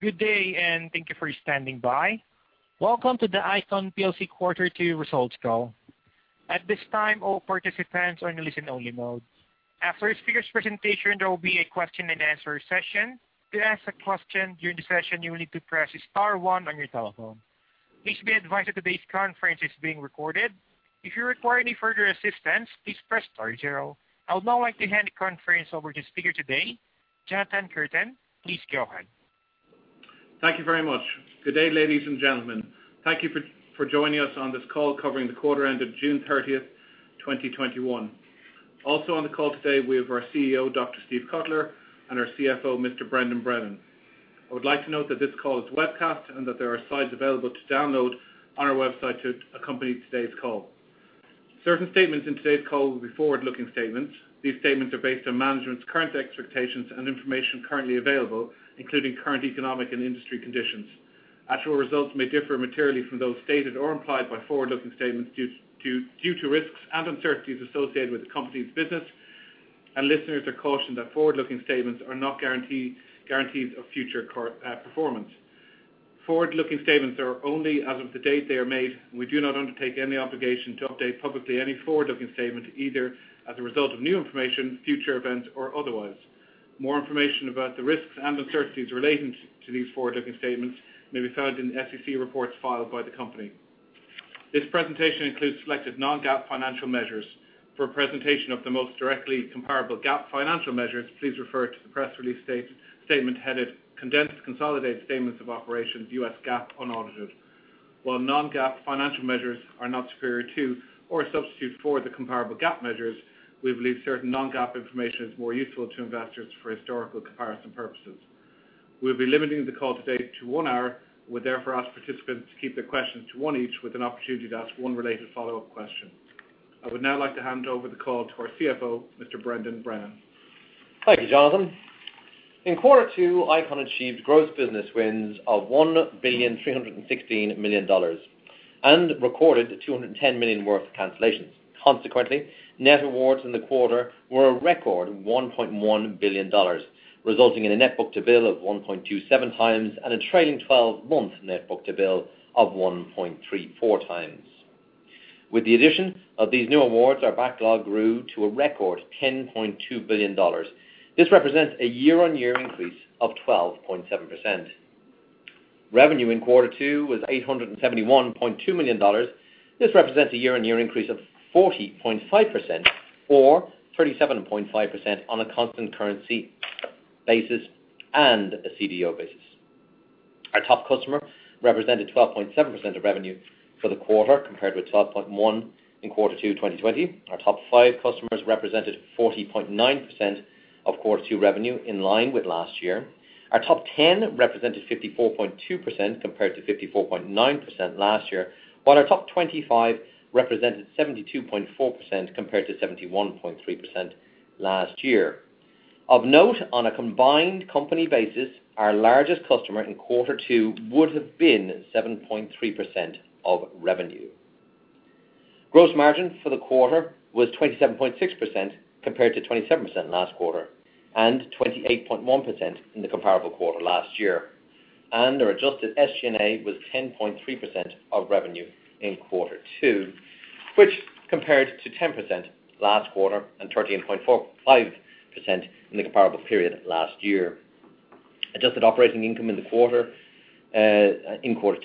Good day, and thank you for standing by. Welcome to the ICON plc quarter two results call. At this time, all participants are in the listen only-mode. After speaker presentation, there will be a question and answer session. To ask a question here in session, you will need to press star one on your telephone. Please be advice that today's conference is being recorded. If you require any further assistance, please press star zero. I would now like to hand the conference over to the speaker today, Jonathan Curtain. Please go ahead. Thank you very much. Good day, ladies and gentlemen. Thank you for joining us on this call covering the quarter end of June 30th, 2021. Also on the call today, we have our CEO, Dr. Steve Cutler, and our CFO, Mr. Brendan Brennan. I would like to note that this call is webcast and that there are slides available to download on our website to accompany today's call. Certain statements in today's call will be forward-looking statements. These statements are based on management's current expectations and information currently available, including current economic and industry conditions. Actual results may differ materially from those stated or implied by forward-looking statements due to risks and uncertainties associated with the company's business. Listeners are cautioned that forward-looking statements are not guarantees of future performance. Forward-looking statements are only as of the date they are made, and we do not undertake any obligation to update publicly any forward-looking statement, either as a result of new information, future events, or otherwise. More information about the risks and uncertainties relating to these forward-looking statements may be found in the SEC reports filed by the company. This presentation includes selected non-GAAP financial measures. For a presentation of the most directly comparable GAAP financial measures, please refer to the press release statement headed Condensed Consolidated Statements of Operations, U.S. GAAP, unaudited. While non-GAAP financial measures are not superior to or a substitute for the comparable GAAP measures, we believe certain non-GAAP information is more useful to investors for historical comparison purposes. We'll be limiting the call today to one hour. We therefore ask participants to keep their questions to one each with an opportunity to ask one related follow-up question. I would now like to hand over the call to our CFO, Mr. Brendan Brennan. Thank you, Jonathan. In quarter two, ICON achieved gross business wins of $1,316,000,000 and recorded $210 million worth of cancellations. Consequently, net awards in the quarter were a record $1.1 billion, resulting in a net book-to-bill of 1.27 times and a trailing 12-month net book-to-bill of 1.34 times. With the addition of these new awards, our backlog grew to a record $10.2 billion. This represents a year-on-year increase of 12.7%. Revenue in quarter two was $871.2 million. This represents a year-on-year increase of 40.5%, or 37.5% on a constant currency basis and a CRO basis. Our top customer represented 12.7% of revenue for the quarter compared with 12.1% in quarter two 2020. Our top five customers represented 40.9% of quarter two revenue in line with last year. Our top 10 represented 54.2%, compared to 54.9% last year. While our top 25 represented 72.4%, compared to 71.3% last year. Of note, on a combined company basis, our largest customer in quarter two would have been 7.3% of revenue. Gross margin for the quarter was 27.6%, compared to 27% last quarter and 28.1% in the comparable quarter last year. Our adjusted SG&A was 10.3% of revenue in quarter two, which compared to 10% last quarter and 13.5% in the comparable period last year. Adjusted operating income in the quarter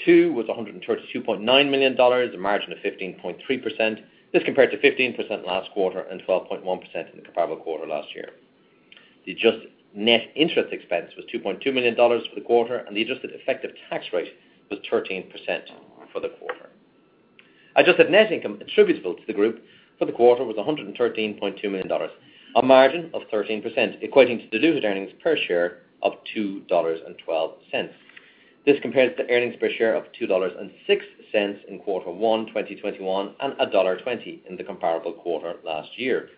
two was $132.9 million, a margin of 15.3%. This compared to 15% last quarter and 12.1% in the comparable quarter last year. The adjusted net interest expense was $2.2 million for the quarter, and the adjusted effective tax rate was 13% for the quarter. Adjusted net income attributable to the group for the quarter was $113.2 million, a margin of 13%, equating to diluted earnings per share of $2.12. This compares to earnings per share of $2.06 in quarter one 2021 and $1.20 in the comparable quarter last year.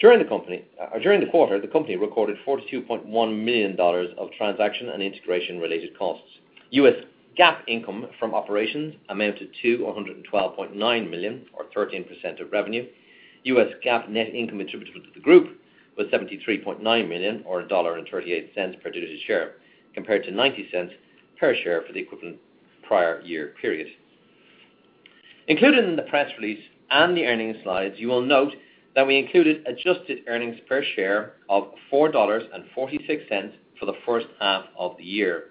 During the quarter, the company recorded $42.1 million of transaction and integration related costs. US GAAP income from operations amounted to $112.9 million or 13% of revenue. US GAAP net income attributable to the group was $73.9 million or $1.38 per diluted share, compared to $0.90 per share for the equivalent prior year period. Included in the press release and the earnings slides, you will note that we included adjusted earnings per share of $4.46 for the first half of the year.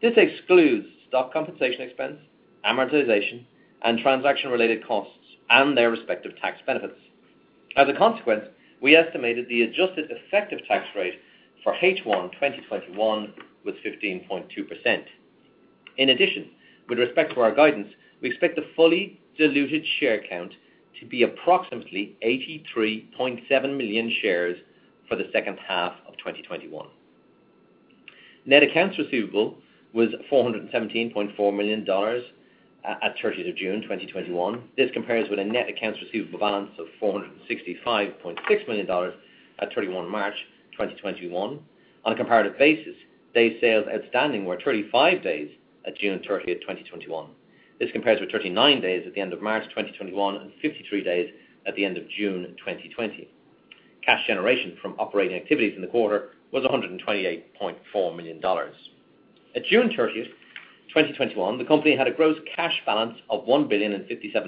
This excludes stock compensation expense, amortization, and transaction-related costs and their respective tax benefits. As a consequence, we estimated the adjusted effective tax rate for H1 2021 was 15.2%. In addition, with respect to our guidance, we expect the fully diluted share count to be approximately 83.7 million shares for the second half of 2021. Net accounts receivable was $417.4 million at June 30th, 2021. This compares with a net accounts receivable balance of $465.6 million at March 31, 2021. On a comparative basis, days sales outstanding were 35 days at June 30th, 2021. This compares with 39 days at the end of March 2021 and 53 days at the end of June 2020. Cash generation from operating activities in the quarter was $128.4 million. At June 30th, 2021, the company had a gross cash balance of $1.057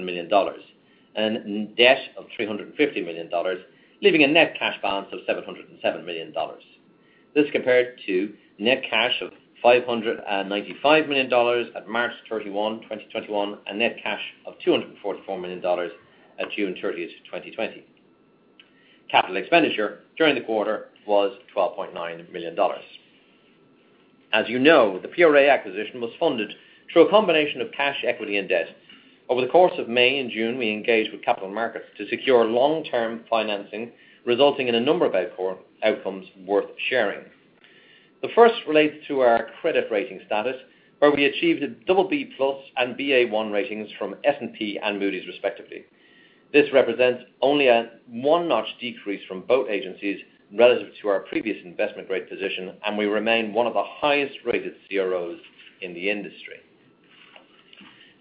billion and debt of $350 million, leaving a net cash balance of $707 million. This compared to net cash of $595 million at March 31, 2021, and net cash of $244 million at June 30th, 2020. Capital expenditure during the quarter was $12.9 million. As you know, the PRA acquisition was funded through a combination of cash, equity, and debt. Over the course of May and June, we engaged with capital markets to secure long-term financing, resulting in a number of outcomes worth sharing. The first relates to our credit rating status, where we achieved a BB+ and Ba1 ratings from S&P and Moody's, respectively. This represents only a one notch decrease from both agencies relative to our previous investment-grade position, and we remain one of the highest-rated CROs in the industry.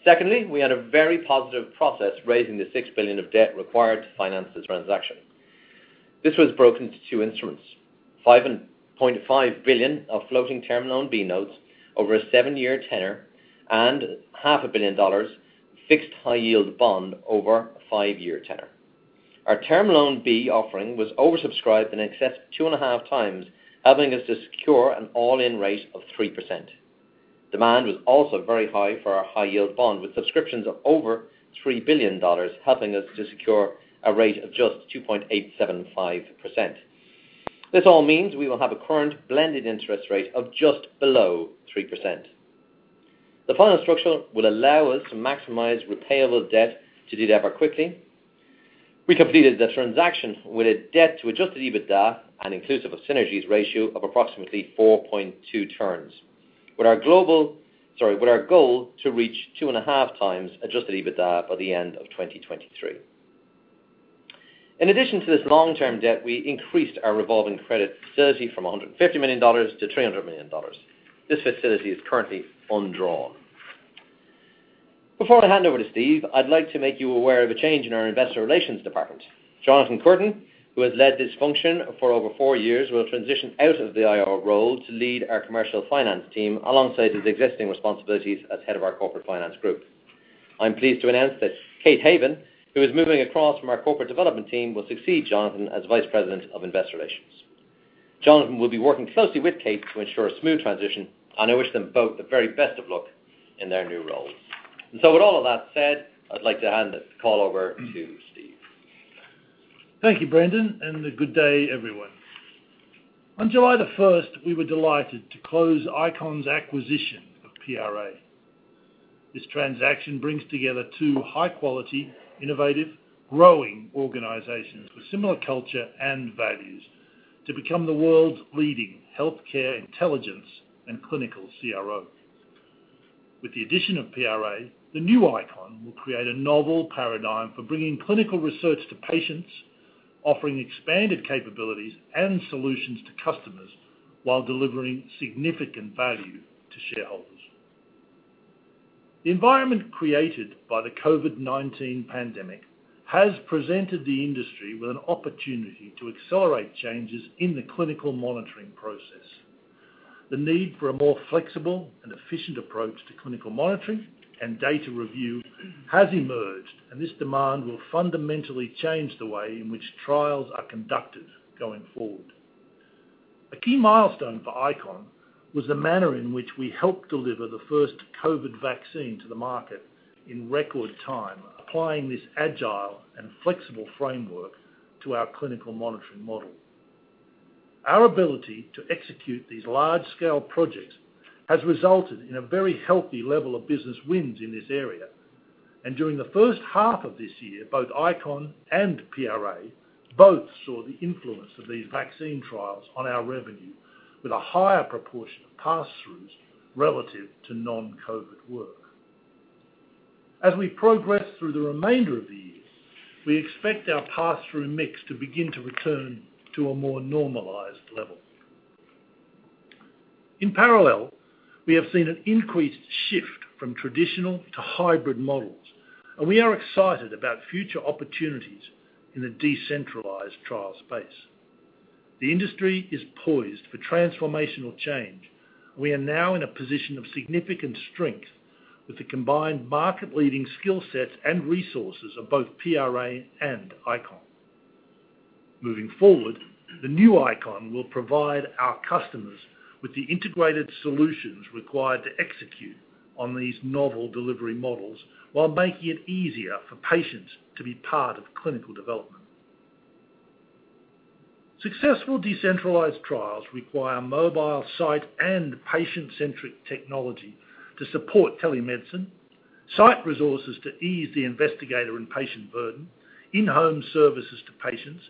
Secondly, we had a very positive process raising the $6 billion of debt required to finance this transaction. This was broken into two instruments. $5.5 billion of floating Term Loan B notes over a seven year tenor and half a billion dollars fixed high-yield bond over a five year tenor. Our Term Loan B offering was oversubscribed in excess of 2.5 times, helping us to secure an all-in rate of 3%. Demand was also very high for our high-yield bond, with subscriptions of over $3 billion, helping us to secure a rate of just 2.875%. This all means we will have a current blended interest rate of just below 3%. The final structure will allow us to maximize repayable debt to de-lever quickly. We completed the transaction with a debt to adjusted EBITDA and inclusive of synergies ratio of approximately 4.2 turns. With our goal to reach 2.5 times adjusted EBITDA by the end of 2023. In addition to this long-term debt, we increased our revolving credit facility from $150 million to $300 million. This facility is currently undrawn. Before I hand over to Steve, I'd like to make you aware of a change in our investor relations department. Jonathan Curtain, who has led this function for over four years, will transition out of the IR role to lead our commercial finance team alongside his existing responsibilities as head of our corporate finance group. I'm pleased to announce that Kate Haven, who is moving across from our corporate development team, will succeed Jonathan as Vice President of Investor Relations. Jonathan will be working closely with Kate to ensure a smooth transition, and I wish them both the very best of luck in their new roles. With all of that said, I'd like to hand this call over to Steve. Thank you, Brendan, and good day, everyone. On July the 1st, we were delighted to close ICON's acquisition of PRA. This transaction brings together two high-quality, innovative, growing organizations with similar culture and values to become the world's leading healthcare intelligence and clinical CRO. With the addition of PRA, the new ICON will create a novel paradigm for bringing clinical research to patients, offering expanded capabilities and solutions to customers while delivering significant value to shareholders. The environment created by the COVID-19 pandemic has presented the industry with an opportunity to accelerate changes in the clinical monitoring process. The need for a more flexible and efficient approach to clinical monitoring and data review has emerged, and this demand will fundamentally change the way in which trials are conducted going forward. A key milestone for ICON was the manner in which we helped deliver the first COVID vaccine to the market in record time, applying this agile and flexible framework to our clinical monitoring model. Our ability to execute these large-scale projects has resulted in a very healthy level of business wins in this area. During the first half of this year, both ICON and PRA both saw the influence of these vaccine trials on our revenue with a higher proportion of pass-throughs relative to non-COVID work. As we progress through the remainder of the year, we expect our pass-through mix to begin to return to a more normalized level. In parallel, we have seen an increased shift from traditional to hybrid models, and we are excited about future opportunities in the decentralized trial space. The industry is poised for transformational change. We are now in a position of significant strength with the combined market-leading skill sets and resources of both PRA and ICON. Moving forward, the new ICON will provide our customers with the integrated solutions required to execute on these novel delivery models while making it easier for patients to be part of clinical development. Successful decentralized trials require mobile site and patient-centric technology to support telemedicine, site resources to ease the investigator and patient burden, in-home services to patients,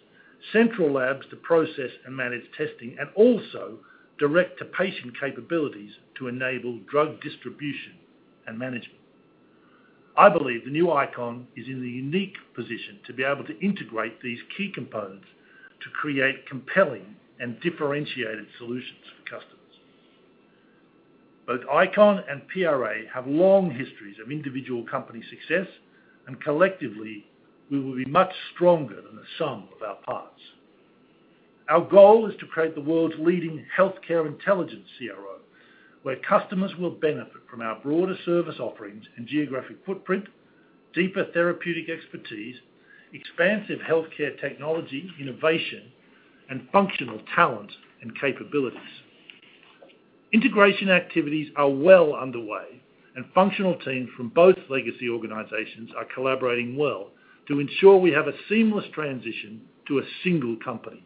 central labs to process and manage testing, and also direct-to-patient capabilities to enable drug distribution and management. I believe the new ICON is in the unique position to be able to integrate these key components to create compelling and differentiated solutions for customers. Both ICON and PRA have long histories of individual company success, and collectively, we will be much stronger than the sum of our parts. Our goal is to create the world's leading healthcare intelligence CRO, where customers will benefit from our broader service offerings and geographic footprint, deeper therapeutic expertise, expansive healthcare technology, innovation, and functional talent and capabilities. Integration activities are well underway, and functional teams from both legacy organizations are collaborating well to ensure we have a seamless transition to a single company.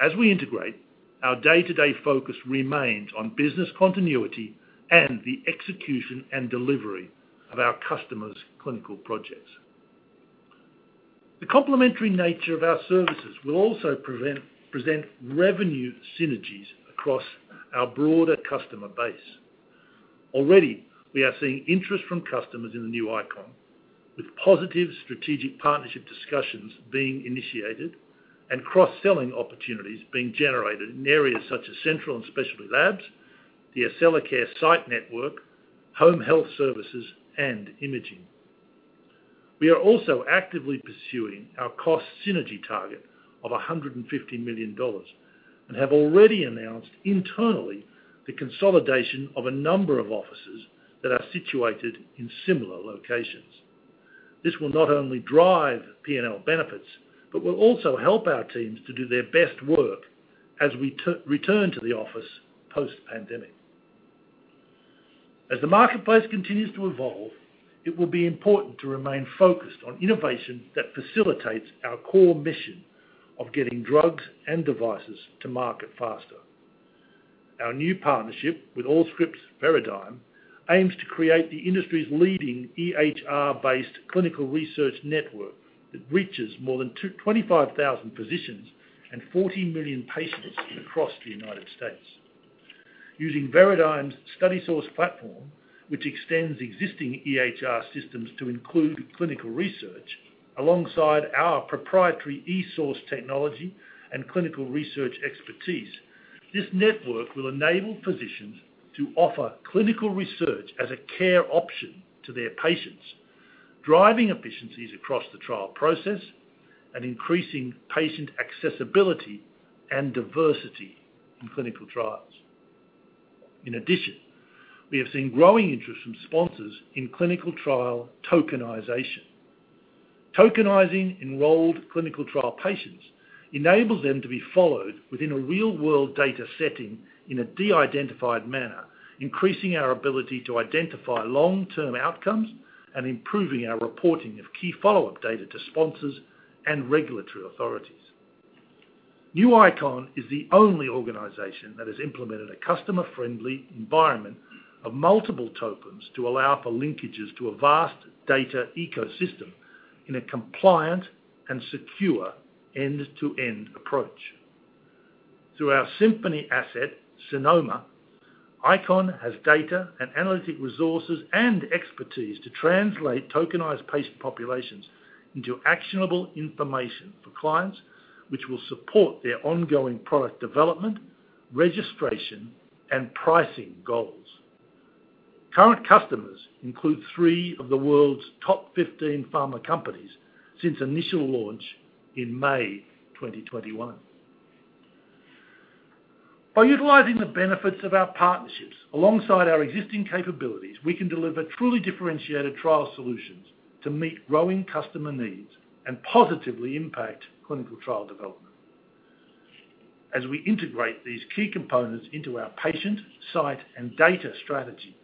As we integrate, our day-to-day focus remains on business continuity and the execution and delivery of our customers' clinical projects. The complementary nature of our services will also present revenue synergies across our broader customer base. Already, we are seeing interest from customers in the new ICON, with positive strategic partnership discussions being initiated and cross-selling opportunities being generated in areas such as central and specialty labs, the Accellacare site network, home health services, and imaging. We are also actively pursuing our cost synergy target of $150 million and have already announced internally the consolidation of a number of offices that are situated in similar locations. This will not only drive P&L benefits but will also help our teams to do their best work as we return to the office post-pandemic. As the marketplace continues to evolve, it will be important to remain focused on innovation that facilitates our core mission of getting drugs and devices to market faster. Our new partnership with Allscripts Veradigm aims to create the industry's leading EHR-based clinical research network that reaches more than 25,000 physicians and 40 million patients across the United States. Using Veradigm's StudySource platform, which extends existing EHR systems to include clinical research, alongside our proprietary eSource technology and clinical research expertise, this network will enable physicians to offer clinical research as a care option to their patients, driving efficiencies across the trial process and increasing patient accessibility and diversity in clinical trials. In addition, we have seen growing interest from sponsors in clinical trial tokenization. Tokenizing enrolled clinical trial patients enables them to be followed within a real-world data setting in a de-identified manner, increasing our ability to identify long-term outcomes and improving our reporting of key follow-up data to sponsors and regulatory authorities. New ICON is the only organization that has implemented a customer-friendly environment of multiple tokens to allow for linkages to a vast data ecosystem in a compliant and secure end-to-end approach. Through our Symphony asset, Synoma, ICON has data and analytic resources and expertise to translate tokenized patient populations into actionable information for clients, which will support their ongoing product development, registration, and pricing goals. Current customers include three of the world's top 15 pharma companies since initial launch in May 2021. By utilizing the benefits of our partnerships alongside our existing capabilities, we can deliver truly differentiated trial solutions to meet growing customer needs and positively impact clinical trial development. As we integrate these key components into our patient, site, and data strategy,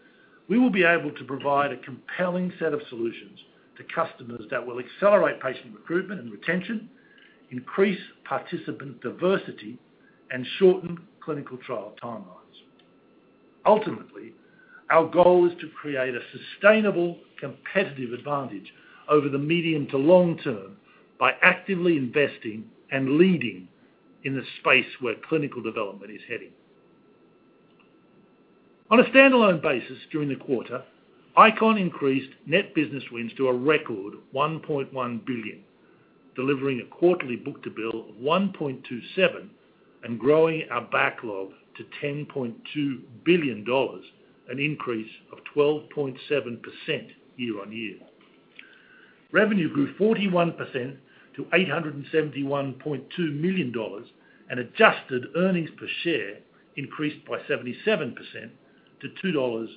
we will be able to provide a compelling set of solutions to customers that will accelerate patient recruitment and retention, increase participant diversity, and shorten clinical trial timelines. Ultimately, our goal is to create a sustainable competitive advantage over the medium to long term by actively investing and leading in the space where clinical development is heading. On a standalone basis during the quarter, ICON increased net business wins to a record $1.1 billion, delivering a quarterly book-to-bill of 1.27 and growing our backlog to $10.2 billion, an increase of 12.7% year-on-year. Revenue grew 41% to $871.2 million. Adjusted earnings per share increased by 77% to $2.12.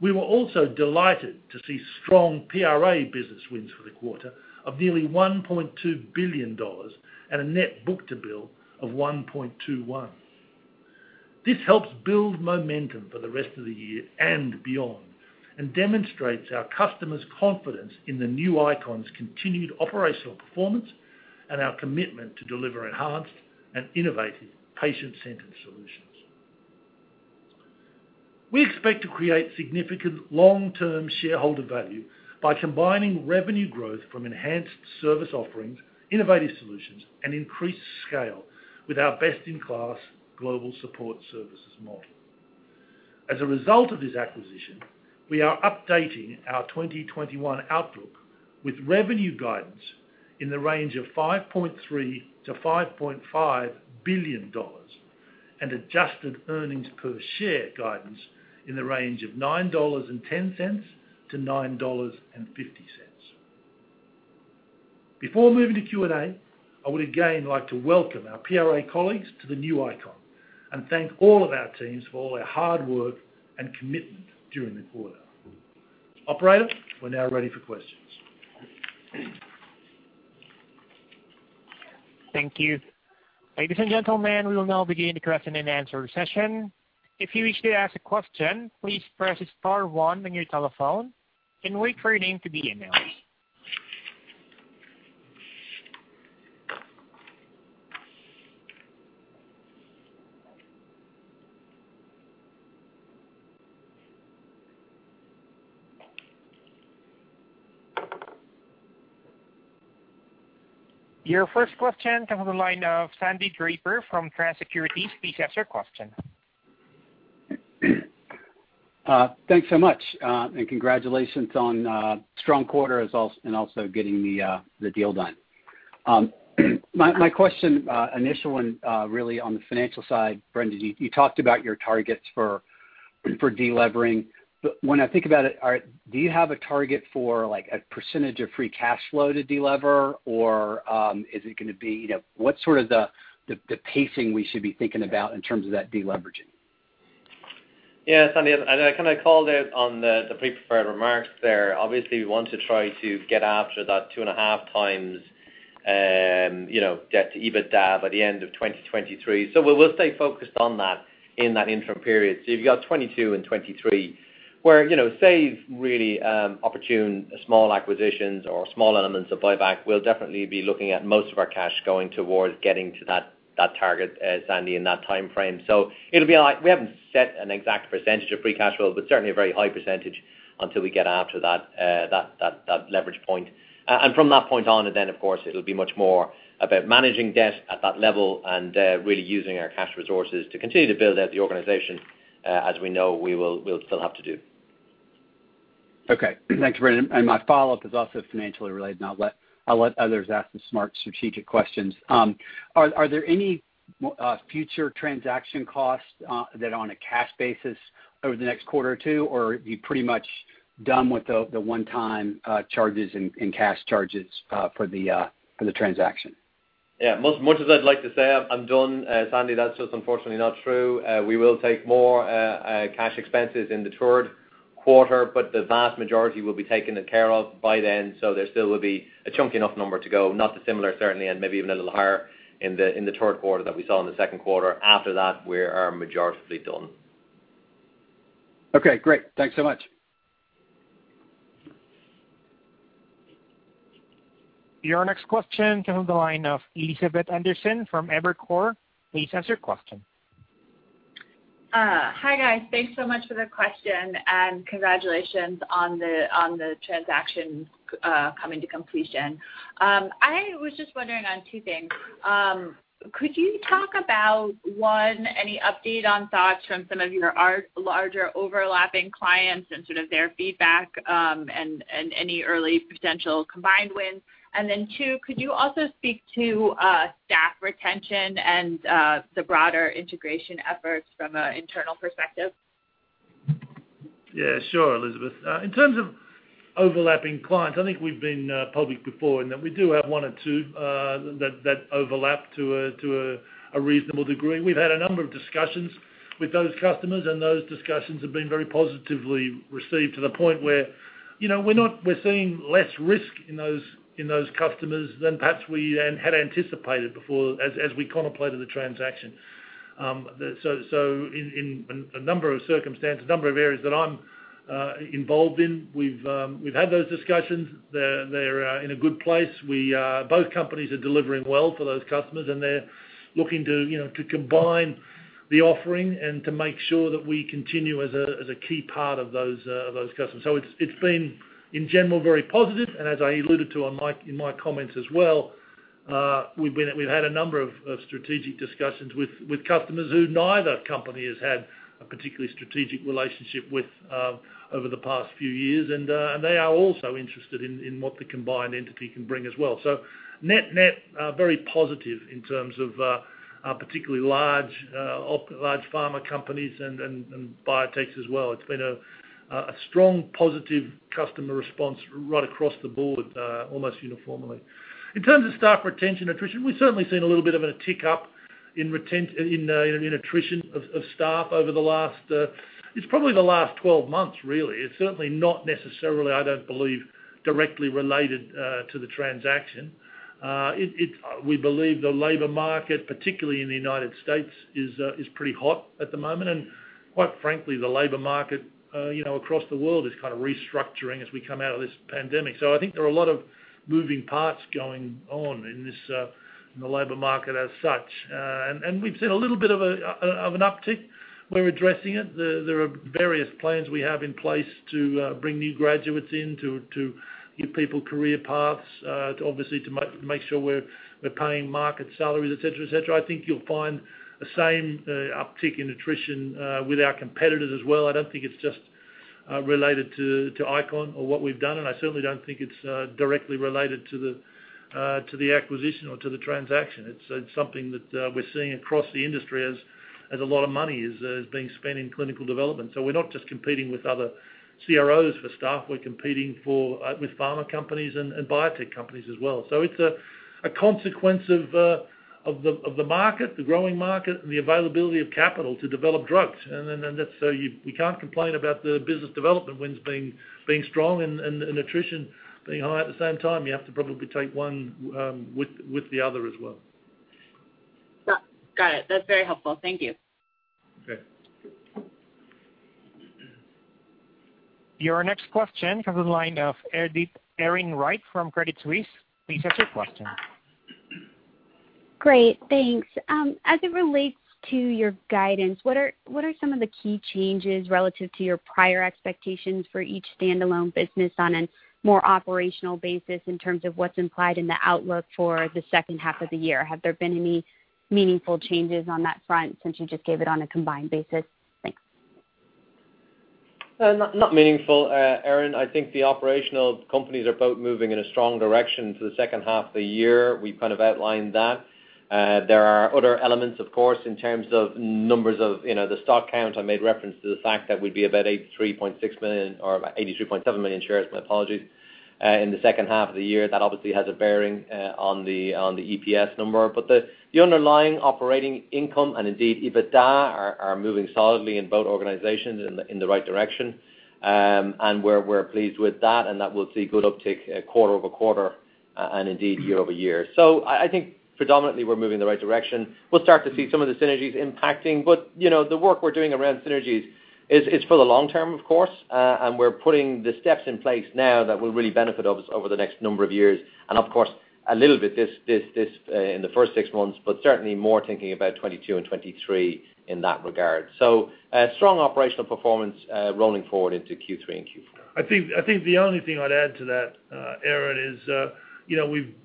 We were also delighted to see strong PRA business wins for the quarter of nearly $1.2 billion and a net book-to-bill of 1.21. This helps build momentum for the rest of the year and beyond and demonstrates our customers' confidence in the new ICON's continued operational performance and our commitment to deliver enhanced and innovative patient-centered solutions. We expect to create significant long-term shareholder value by combining revenue growth from enhanced service offerings, innovative solutions, and increased scale with our best-in-class global support services model. As a result of this acquisition, we are updating our 2021 outlook with revenue guidance in the range of $5.3 billion to $5.5 billion and adjusted earnings per share guidance in the range of $9.10-$9.50. Before moving to Q&A, I would again like to welcome our PRA colleagues to the new ICON and thank all of our teams for all their hard work and commitment during the quarter. Operator, we are now ready for questions. Thank you. Ladies and gentlemen, we will now begin the question and answer session. If you wish to ask a question, please press star one on your telephone and wait for your name to be announced. Your first question comes on the line of Sandy Draper from Truist Securities. Please ask your question. Thanks so much, and congratulations on a strong quarter and also getting the deal done. My question, initial one really on the financial side. Brendan, you talked about your targets for de-levering. When I think about it, do you have a target for a percentage of free cash flow to de-lever? What's sort of the pacing we should be thinking about in terms of that de-leveraging? Yeah, Sandy, I kind of called out on the pre-prepared remarks there. Obviously, we want to try to get after that 2.5x debt to EBITDA by the end of 2023. We'll stay focused on that in that interim period. You've got 2022 and 2023 where save really opportune small acquisitions or small elements of buyback. We'll definitely be looking at most of our cash going towards getting to that target, Sandy, in that timeframe. We haven't set an exact percentage of free cash flow, but certainly a very high percentage until we get after that leverage point. From that point on then, of course, it'll be much more about managing debt at that level and really using our cash resources to continue to build out the organization, as we know we'll still have to do. Okay. Thanks, Brendan. My follow-up is also financially related, and I'll let others ask the smart strategic questions. Are there any future transaction costs that are on a cash basis over the next quarter or two? Or are you pretty much done with the one-time charges and cash charges for the transaction? Much as I'd like to say I'm done, Sandy, that's just unfortunately not true. We will take more cash expenses in the third quarter, but the vast majority will be taken care of by then. There still will be a chunky enough number to go. Not dissimilar, certainly, and maybe even a little higher in the third quarter that we saw in the second quarter. After that, we are majorly done. Okay, great. Thanks so much. Your next question comes on the line of Elizabeth Anderson from Evercore. Please ask your question. Hi, guys. Thanks so much for the question. Congratulations on the transaction coming to completion. I was just wondering on two things. Could you talk about, 1, any update on thoughts from some of your larger overlapping clients and sort of their feedback, and any early potential combined wins? Two, could you also speak to staff retention and the broader integration efforts from an internal perspective? Yeah, sure, Elizabeth. In terms of overlapping clients, I think we've been public before in that we do have one or two that overlap to a reasonable degree. We've had a number of discussions with those customers, and those discussions have been very positively received to the point where we're seeing less risk in those customers than perhaps we had anticipated before as we contemplated the transaction. In a number of areas that I'm involved in, we've had those discussions. They're in a good place. Both companies are delivering well for those customers, and they're looking to combine the offering and to make sure that we continue as a key part of those customers. It's been, in general, very positive. As I alluded to in my comments as well, we've had a number of strategic discussions with customers who neither company has had a particularly strategic relationship with over the past few years, and they are also interested in what the combined entity can bring as well. Net-net, very positive in terms of particularly large pharma companies and biotechs as well. It's been a strong positive customer response right across the board, almost uniformly. In terms of staff retention attrition, we've certainly seen a little bit of a tick up in attrition of staff over the last 12 months, really. It's certainly not necessarily, I don't believe, directly related to the transaction. We believe the labor market, particularly in the United States, is pretty hot at the moment. Quite frankly, the labor market across the world is kind of restructuring as we come out of this pandemic. I think there are a lot of moving parts going on in the labor market as such. We've seen a little bit of an uptick. We're addressing it. There are various plans we have in place to bring new graduates in to give people career paths, obviously to make sure we're paying market salaries, et cetera. I think you'll find the same uptick in attrition with our competitors as well. I don't think it's just related to ICON or what we've done, and I certainly don't think it's directly related to the acquisition or to the transaction. It's something that we're seeing across the industry as a lot of money is being spent in clinical development. We're not just competing with other CROs for staff, we're competing with pharma companies and biotech companies as well. It's a consequence of the market, the growing market, and the availability of capital to develop drugs. We can't complain about the business development wins being strong and attrition being high at the same time. You have to probably take one with the other as well. Got it. That's very helpful. Thank you. Okay. Your next question comes in the line of Erin Wright from Credit Suisse. Please ask your question. Great, thanks. As it relates to your guidance, what are some of the key changes relative to your prior expectations for each standalone business on a more operational basis in terms of what's implied in the outlook for the second half of the year? Have there been any meaningful changes on that front since you just gave it on a combined basis? Thanks. Not meaningful, Erin. I think the operational companies are both moving in a strong direction to the second half of the year. We've kind of outlined that. There are other elements, of course, in terms of numbers of the stock count. I made reference to the fact that we'd be about 83.6 million or 83.7 million shares, my apologies, in the second half of the year. That obviously has a bearing on the EPS number. The underlying operating income, and indeed EBITDA, are moving solidly in both organizations in the right direction. We're pleased with that, and that we'll see good uptick quarter-over-quarter, and indeed year-over-year. I think predominantly, we're moving in the right direction. We'll start to see some of the synergies impacting, but the work we're doing around synergies is for the long term, of course, and we're putting the steps in place now that will really benefit us over the next number of years. Of course, a little bit in the first six months, but certainly more thinking about 2022 and 2023 in that regard. Strong operational performance rolling forward into Q3 and Q4. I think the only thing I'd add to that, Erin, is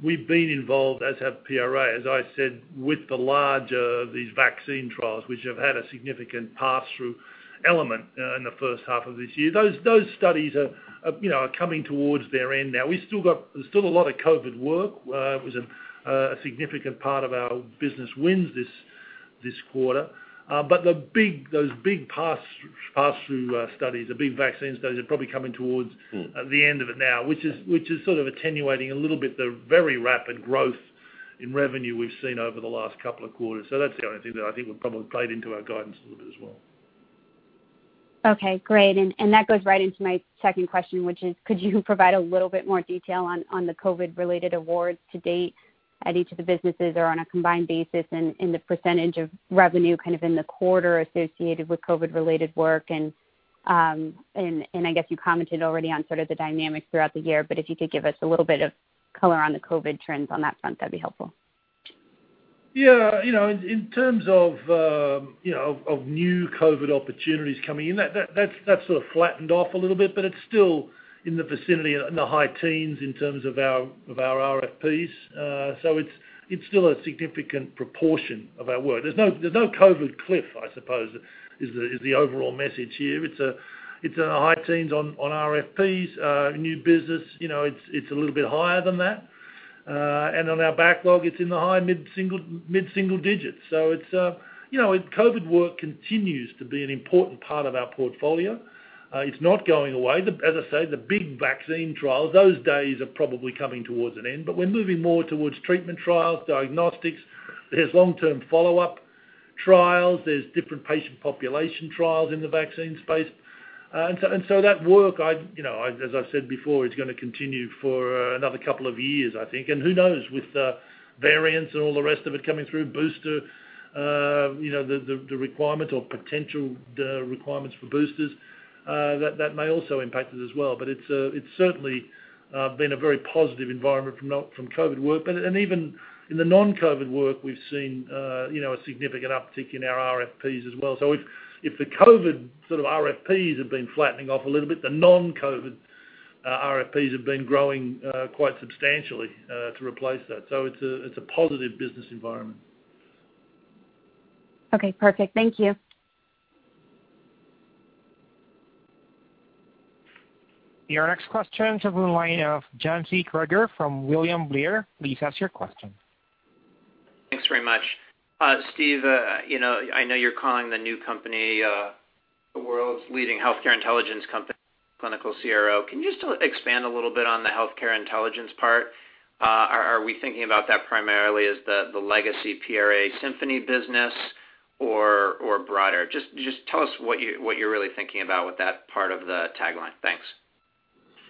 we've been involved, as have PRA Health Sciences, as I said, with the larger of these vaccine trials, which have had a significant pass-through element in the first half of this year. Those studies are coming towards their end now. There's still a lot of COVID work, it was a significant part of our business wins this quarter. Those big pass-through studies, the big vaccine studies are probably coming towards the end of it now, which is sort of attenuating a little bit, the very rapid growth in revenue we've seen over the last couple of quarters. That's the only thing that I think would probably play into our guidance a little bit as well. Okay, great. That goes right into my second question, which is, could you provide a little bit more detail on the COVID-related awards to date at each of the businesses or on a combined basis, and the percentage of revenue kind of in the quarter associated with COVID-related work and, I guess you commented already on sort of the dynamics throughout the year, but if you could give us a little bit of color on the COVID trends on that front, that would be helpful. Yeah. In terms of new COVID opportunities coming in, that sort of flattened off a little bit, but it's still in the vicinity, in the high teens in terms of our RFPs. It's still a significant proportion of our work. There's no COVID cliff, I suppose, is the overall message here. It's in the high teens on RFPs. New business it's a little bit higher than that. On our backlog, it's in the high mid-single digits. COVID work continues to be an important part of our portfolio. It's not going away. As I say, the big vaccine trials, those days are probably coming towards an end, but we're moving more towards treatment trials, diagnostics. There's long-term follow-up trials. There's different patient population trials in the vaccine space. That work, as I said before, it's going to continue for another two years, I think. Who knows, with variants and all the rest of it coming through, booster, the requirement or potential requirements for boosters, that may also impact it as well. It's certainly been a very positive environment from COVID work. Even in the non-COVID work, we've seen a significant uptick in our RFPs as well. If the COVID sort of RFPs have been flattening off a little bit, the non-COVID RFPs have been growing quite substantially to replace that. It's a positive business environment. Okay, perfect. Thank you. Your next question comes in the line of John Kreger from William Blair. Please ask your question. Thanks very much. Steve, I know you're calling the new company the world's leading Healthcare Intelligence Company, clinical CRO. Can you just expand a little bit on the Healthcare Intelligence part? Are we thinking about that primarily as the legacy PRA Symphony business or broader? Just tell us what you're really thinking about with that part of the tagline. Thanks.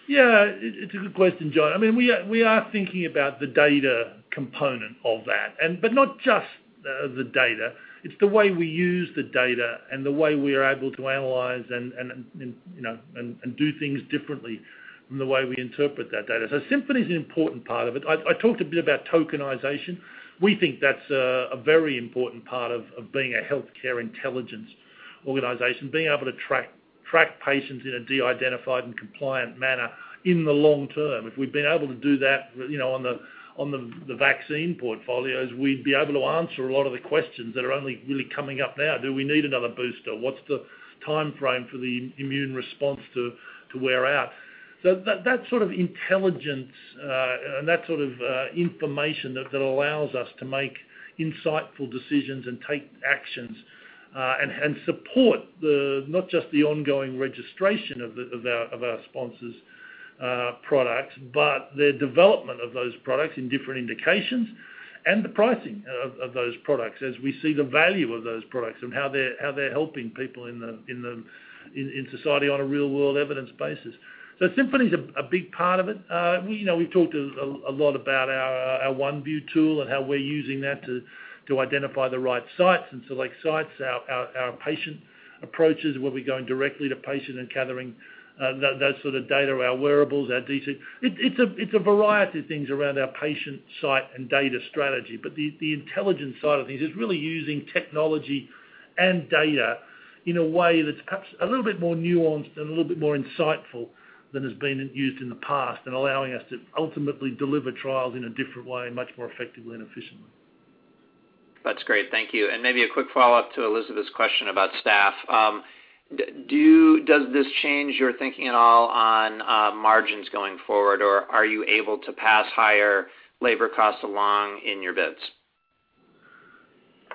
Yeah, it's a good question, John. We are thinking about the data component of that. Not just the data, it's the way we use the data and the way we are able to analyze and do things differently from the way we interpret that data. Symphony's an important part of it. I talked a bit about tokenization. We think that's a very important part of being a healthcare intelligence organization, being able to track patients in a de-identified and compliant manner in the long term. If we'd been able to do that on the vaccine portfolios, we'd be able to answer a lot of the questions that are only really coming up now. Do we need another booster? What's the timeframe for the immune response to wear out? That sort of intelligence and that sort of information that allows us to make insightful decisions and take actions and support not just the ongoing registration of our sponsors' products, but the development of those products in different indications and the pricing of those products as we see the value of those products and how they're helping people in society on a real-world evidence basis. Symphony's a big part of it. We've talked a lot about our OneView tool and how we're using that to identify the right sites and select sites, our patient approaches, where we're going directly to patient and gathering that sort of data, our wearables, our DCT. It's a variety of things around our patient site and data strategy. The intelligence side of things is really using technology and data in a way that's perhaps a little bit more nuanced and a little bit more insightful than has been used in the past, and allowing us to ultimately deliver trials in a different way, much more effectively and efficiently. That's great. Thank you. Maybe a quick follow-up to Elizabeth's question about staff. Does this change your thinking at all on margins going forward, or are you able to pass higher labor costs along in your bids?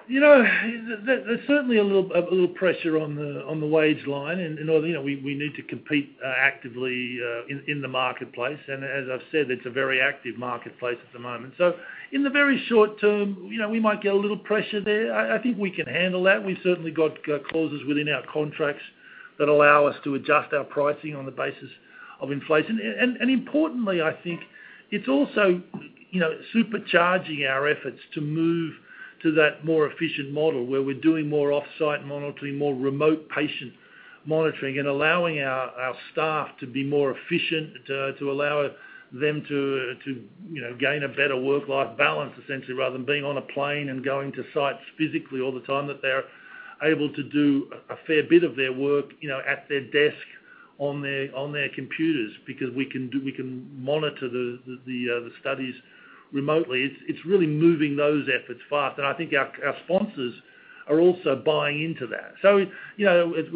There's certainly a little pressure on the wage line and we need to compete actively in the marketplace, and as I've said, it's a very active marketplace at the moment. In the very short term, we might get a little pressure there. I think we can handle that. We've certainly got clauses within our contracts that allow us to adjust our pricing on the basis of inflation. Importantly, I think it's also supercharging our efforts to move to that more efficient model where we're doing more off-site monitoring, more remote patient monitoring, and allowing our staff to be more efficient, to allow them to gain a better work-life balance, essentially. Rather than being on a plane and going to sites physically all the time, that they're able to do a fair bit of their work at their desk on their computers, because we can monitor the studies remotely. It's really moving those efforts fast, and I think our sponsors are also buying into that. It's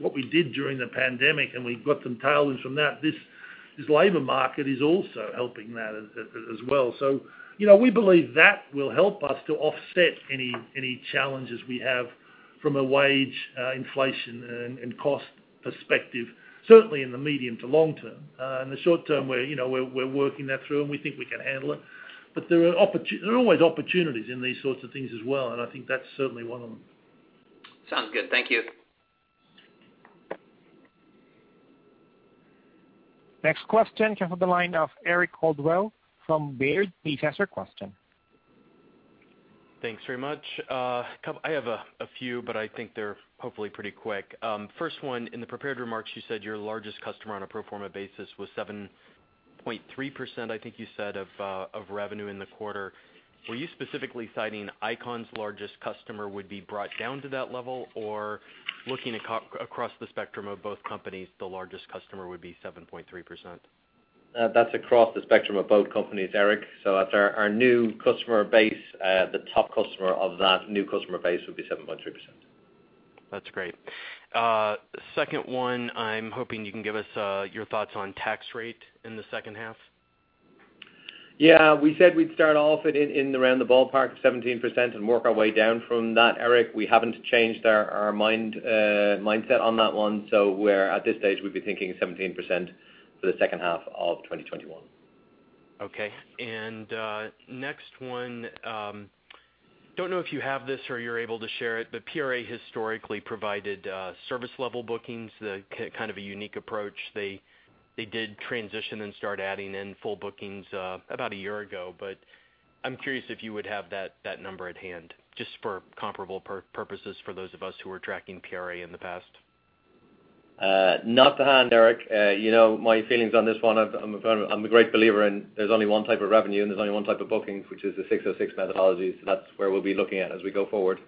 what we did during the pandemic, and we got some tailwinds from that. This labor market is also helping that as well. We believe that will help us to offset any challenges we have from a wage inflation and cost perspective, certainly in the medium to long term. In the short term, we're working that through, and we think we can handle it. There are always opportunities in these sorts of things as well, and I think that's certainly one of them. Sounds good. Thank you. Next question comes from the line of Eric Coldwell from Baird. Please ask your question. Thanks very much. I have a few, but I think they're hopefully pretty quick. First one, in the prepared remarks, you said your largest customer on a pro forma basis was 7.3%, I think you said, of revenue in the quarter. Were you specifically citing ICON's largest customer would be brought down to that level, or looking across the spectrum of both companies, the largest customer would be 7.3%? That's across the spectrum of both companies, Eric. That's our new customer base. The top customer of that new customer base would be 7.3%. That's great. Second one, I'm hoping you can give us your thoughts on tax rate in the second half. Yeah, we said we'd start off in around the ballpark of 17% and work our way down from that, Eric. We haven't changed our mindset on that one. We're at this stage, we'd be thinking 17% for the second half of 2021. Okay. Next one, don't know if you have this or you're able to share it, but PRA historically provided service-level bookings, kind of a unique approach. They did transition and start adding in full bookings about a year ago. I'm curious if you would have that number at hand, just for comparable purposes for those of us who were tracking PRA in the past. Not to hand, Eric. My feelings on this one, I'm a great believer in there's only one type of revenue and there's only one type of booking, which is the 606 methodology. That's where we'll be looking at as we go forward.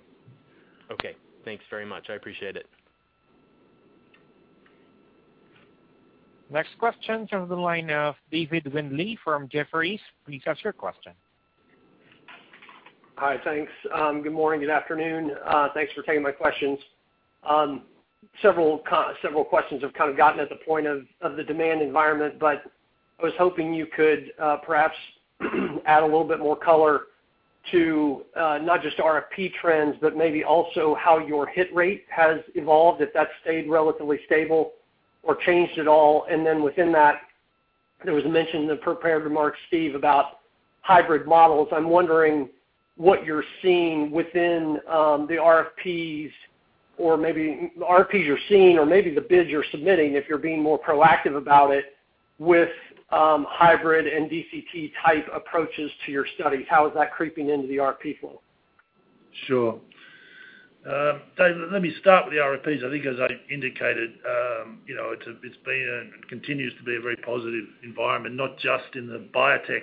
Okay. Thanks very much. I appreciate it. Next question comes on the line of David Windley from Jefferies. Please ask your question. Hi. Thanks. Good morning, good afternoon. Thanks for taking my questions. Several questions have gotten at the point of the demand environment. I was hoping you could perhaps add a little bit more color to not just RFP trends, but maybe also how your hit rate has evolved, if that's stayed relatively stable or changed at all. Within that, there was a mention in the prepared remarks, Steve, about hybrid models. I'm wondering what you're seeing within the RFPs or maybe the RFPs you're seeing or maybe the bids you're submitting, if you're being more proactive about it with hybrid and DCT-type approaches to your studies. How is that creeping into the RFP flow? Sure. David Windley, let me start with the RFPs. I think as I indicated, it's been and continues to be a very positive environment, not just in the biotech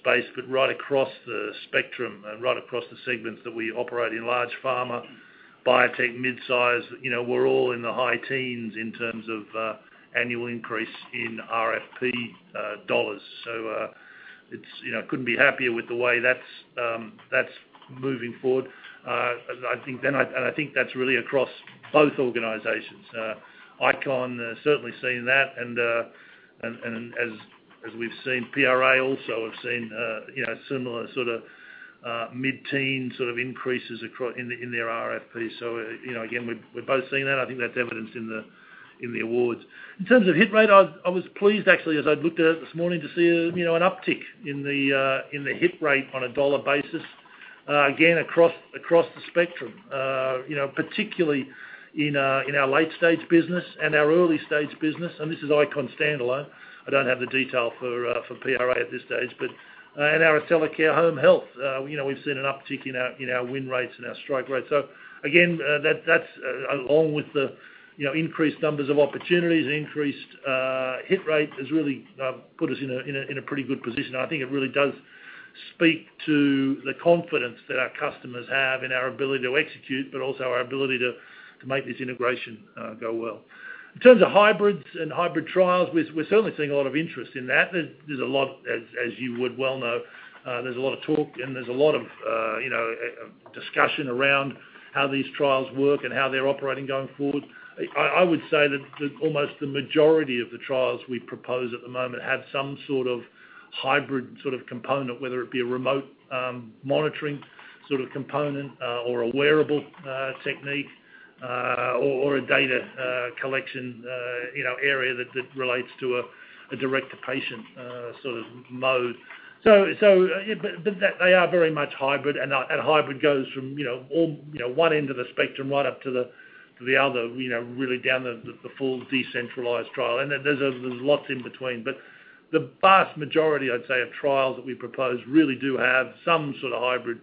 space, but right across the spectrum and right across the segments that we operate in, large pharma, biotech, mid-size. We're all in the high teens in terms of annual increase in RFP dollars. Couldn't be happier with the way that's moving forward. I think that's really across both organizations. ICON has certainly seen that, and as we've seen, PRA also have seen similar sort of mid-teen increases in their RFPs. Again, we're both seeing that. I think that's evidenced in the awards. In terms of hit rate, I was pleased, actually, as I looked at it this morning to see an uptick in the hit rate on a dollar basis, again, across the spectrum. Particularly in our late-stage business and our early-stage business, and this is ICON standalone. I don't have the detail for PRA at this stage. Our Accellacare home health, we've seen an uptick in our win rates and our strike rate. Again, that's along with the increased numbers of opportunities, increased hit rate, has really put us in a pretty good position. I think it really does speak to the confidence that our customers have in our ability to execute, but also our ability to make this integration go well. In terms of hybrids and hybrid trials, we're certainly seeing a lot of interest in that. There's a lot, as you would well know, there's a lot of talk, and there's a lot of discussion around how these trials work and how they're operating going forward. I would say that almost the majority of the trials we propose at the moment have some sort of hybrid component, whether it be a remote monitoring component or a wearable technique, or a data collection area that relates to a direct-to-patient mode. They are very much hybrid, and hybrid goes from one end of the spectrum right up to the other, really down the full decentralized trial. There's lots in between. The vast majority, I'd say, of trials that we propose really do have some sort of hybrid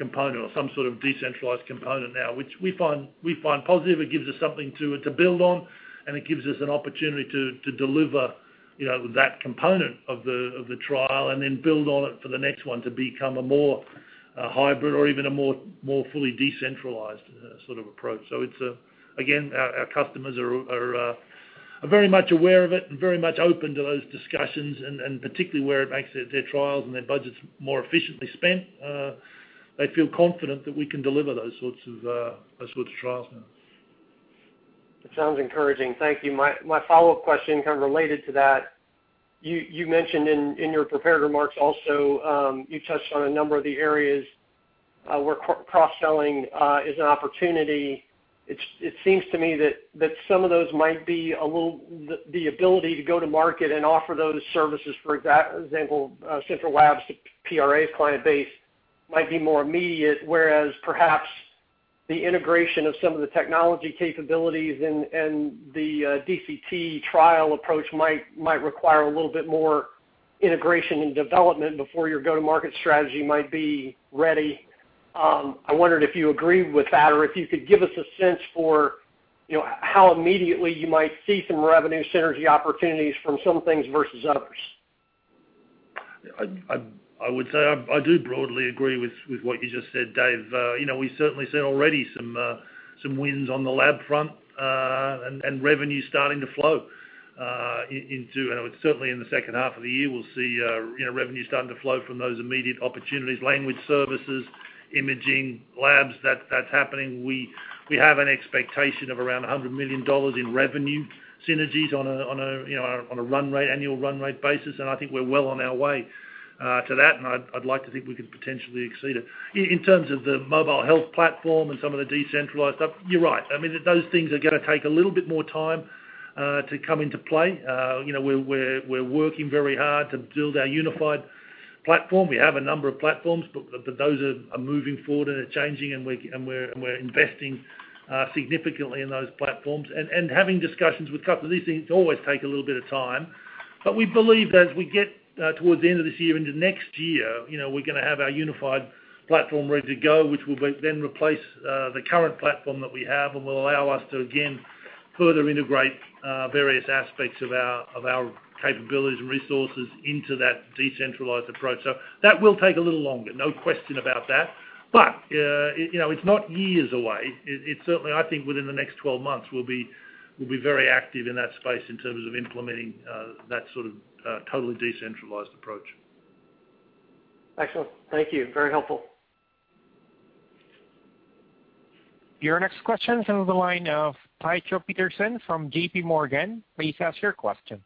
component or some sort of decentralized component now, which we find positive. It gives us something to build on, and it gives us an opportunity to deliver that component of the trial and then build on it for the next one to become a more hybrid or even a more fully decentralized sort of approach. Again, our customers are very much aware of it and very much open to those discussions, and particularly where it makes their trials and their budgets more efficiently spent. They feel confident that we can deliver those sorts of trials now. It sounds encouraging. Thank you. My follow-up question, kind of related to that, you mentioned in your prepared remarks also, you touched on a number of the areas where cross-selling is an opportunity. It seems to me that some of those might be a little. The ability to go to market and offer those services, for example, central labs to PRA's client base might be more immediate, whereas perhaps the integration of some of the technology capabilities and the DCT trial approach might require a little bit more integration and development before your go-to-market strategy might be ready. I wondered if you agree with that or if you could give us a sense for how immediately you might see some revenue synergy opportunities from some things versus others. I would say I do broadly agree with what you just said, David Windley. We certainly see already some wins on the lab front, and revenue's starting to flow into Certainly in the second half of the year, we'll see revenue starting to flow from those immediate opportunities, language services, imaging, labs. That's happening. We have an expectation of around $100 million in revenue synergies on a annual run rate basis, and I think we're well on our way to that, and I'd like to think we could potentially exceed it. In terms of the mobile health platform and some of the decentralized stuff, you're right. I mean, those things are going to take a little bit more time to come into play. We're working very hard to build our unified platform. We have a number of platforms, but those are moving forward and are changing, and we're investing significantly in those platforms and having discussions with companies. These things always take a little bit of time, but we believe that as we get towards the end of this year into next year, we're going to have our unified platform ready to go, which will then replace the current platform that we have and will allow us to, again, further integrate various aspects of our capabilities and resources into that decentralized approach. That will take a little longer, no question about that. It's not years away. It's certainly, I think, within the next 12 months, we'll be very active in that space in terms of implementing that sort of totally decentralized approach. Excellent. Thank you. Very helpful. Your next question comes on the line of Tycho Peterson from JPMorgan. Please ask your question.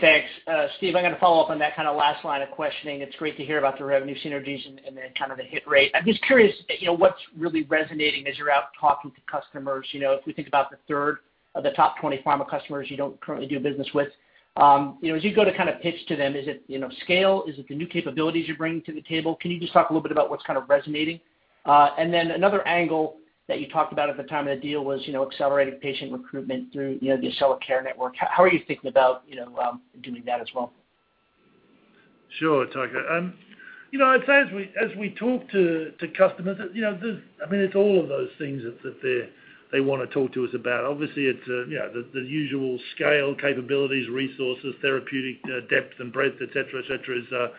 Thanks, Steve, I'm going to follow up on that last line of questioning. It's great to hear about the revenue synergies and the hit rate. I'm just curious, what's really resonating as you're out talking to customers? If we think about the third of the top 20 pharma customers you don't currently do business with. As you go to pitch to them, is it scale? Is it the new capabilities you're bringing to the table? Can you just talk a little bit about what's resonating? Another angle that you talked about at the time of the deal was accelerating patient recruitment through your Accellacare network. How are you thinking about doing that as well? Sure, Tycho. I'd say, as we talk to customers, it's all of those things that they want to talk to us about. Obviously, it's the usual scale, capabilities, resources, therapeutic depth and breadth, et cetera,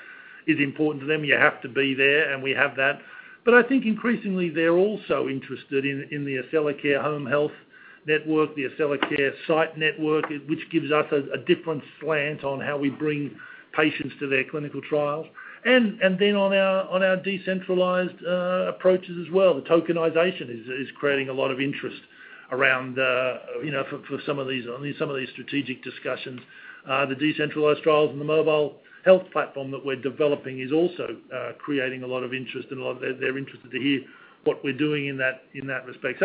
is important to them. You have to be there, and we have that. I think increasingly they're also interested in the Accellacare home health network, the Accellacare site network, which gives us a different slant on how we bring patients to their clinical trials. On our decentralized approaches as well, the tokenization is creating a lot of interest around for some of these strategic discussions. The decentralized trials and the mobile health platform that we're developing is also creating a lot of interest, and they're interested to hear what we're doing in that respect.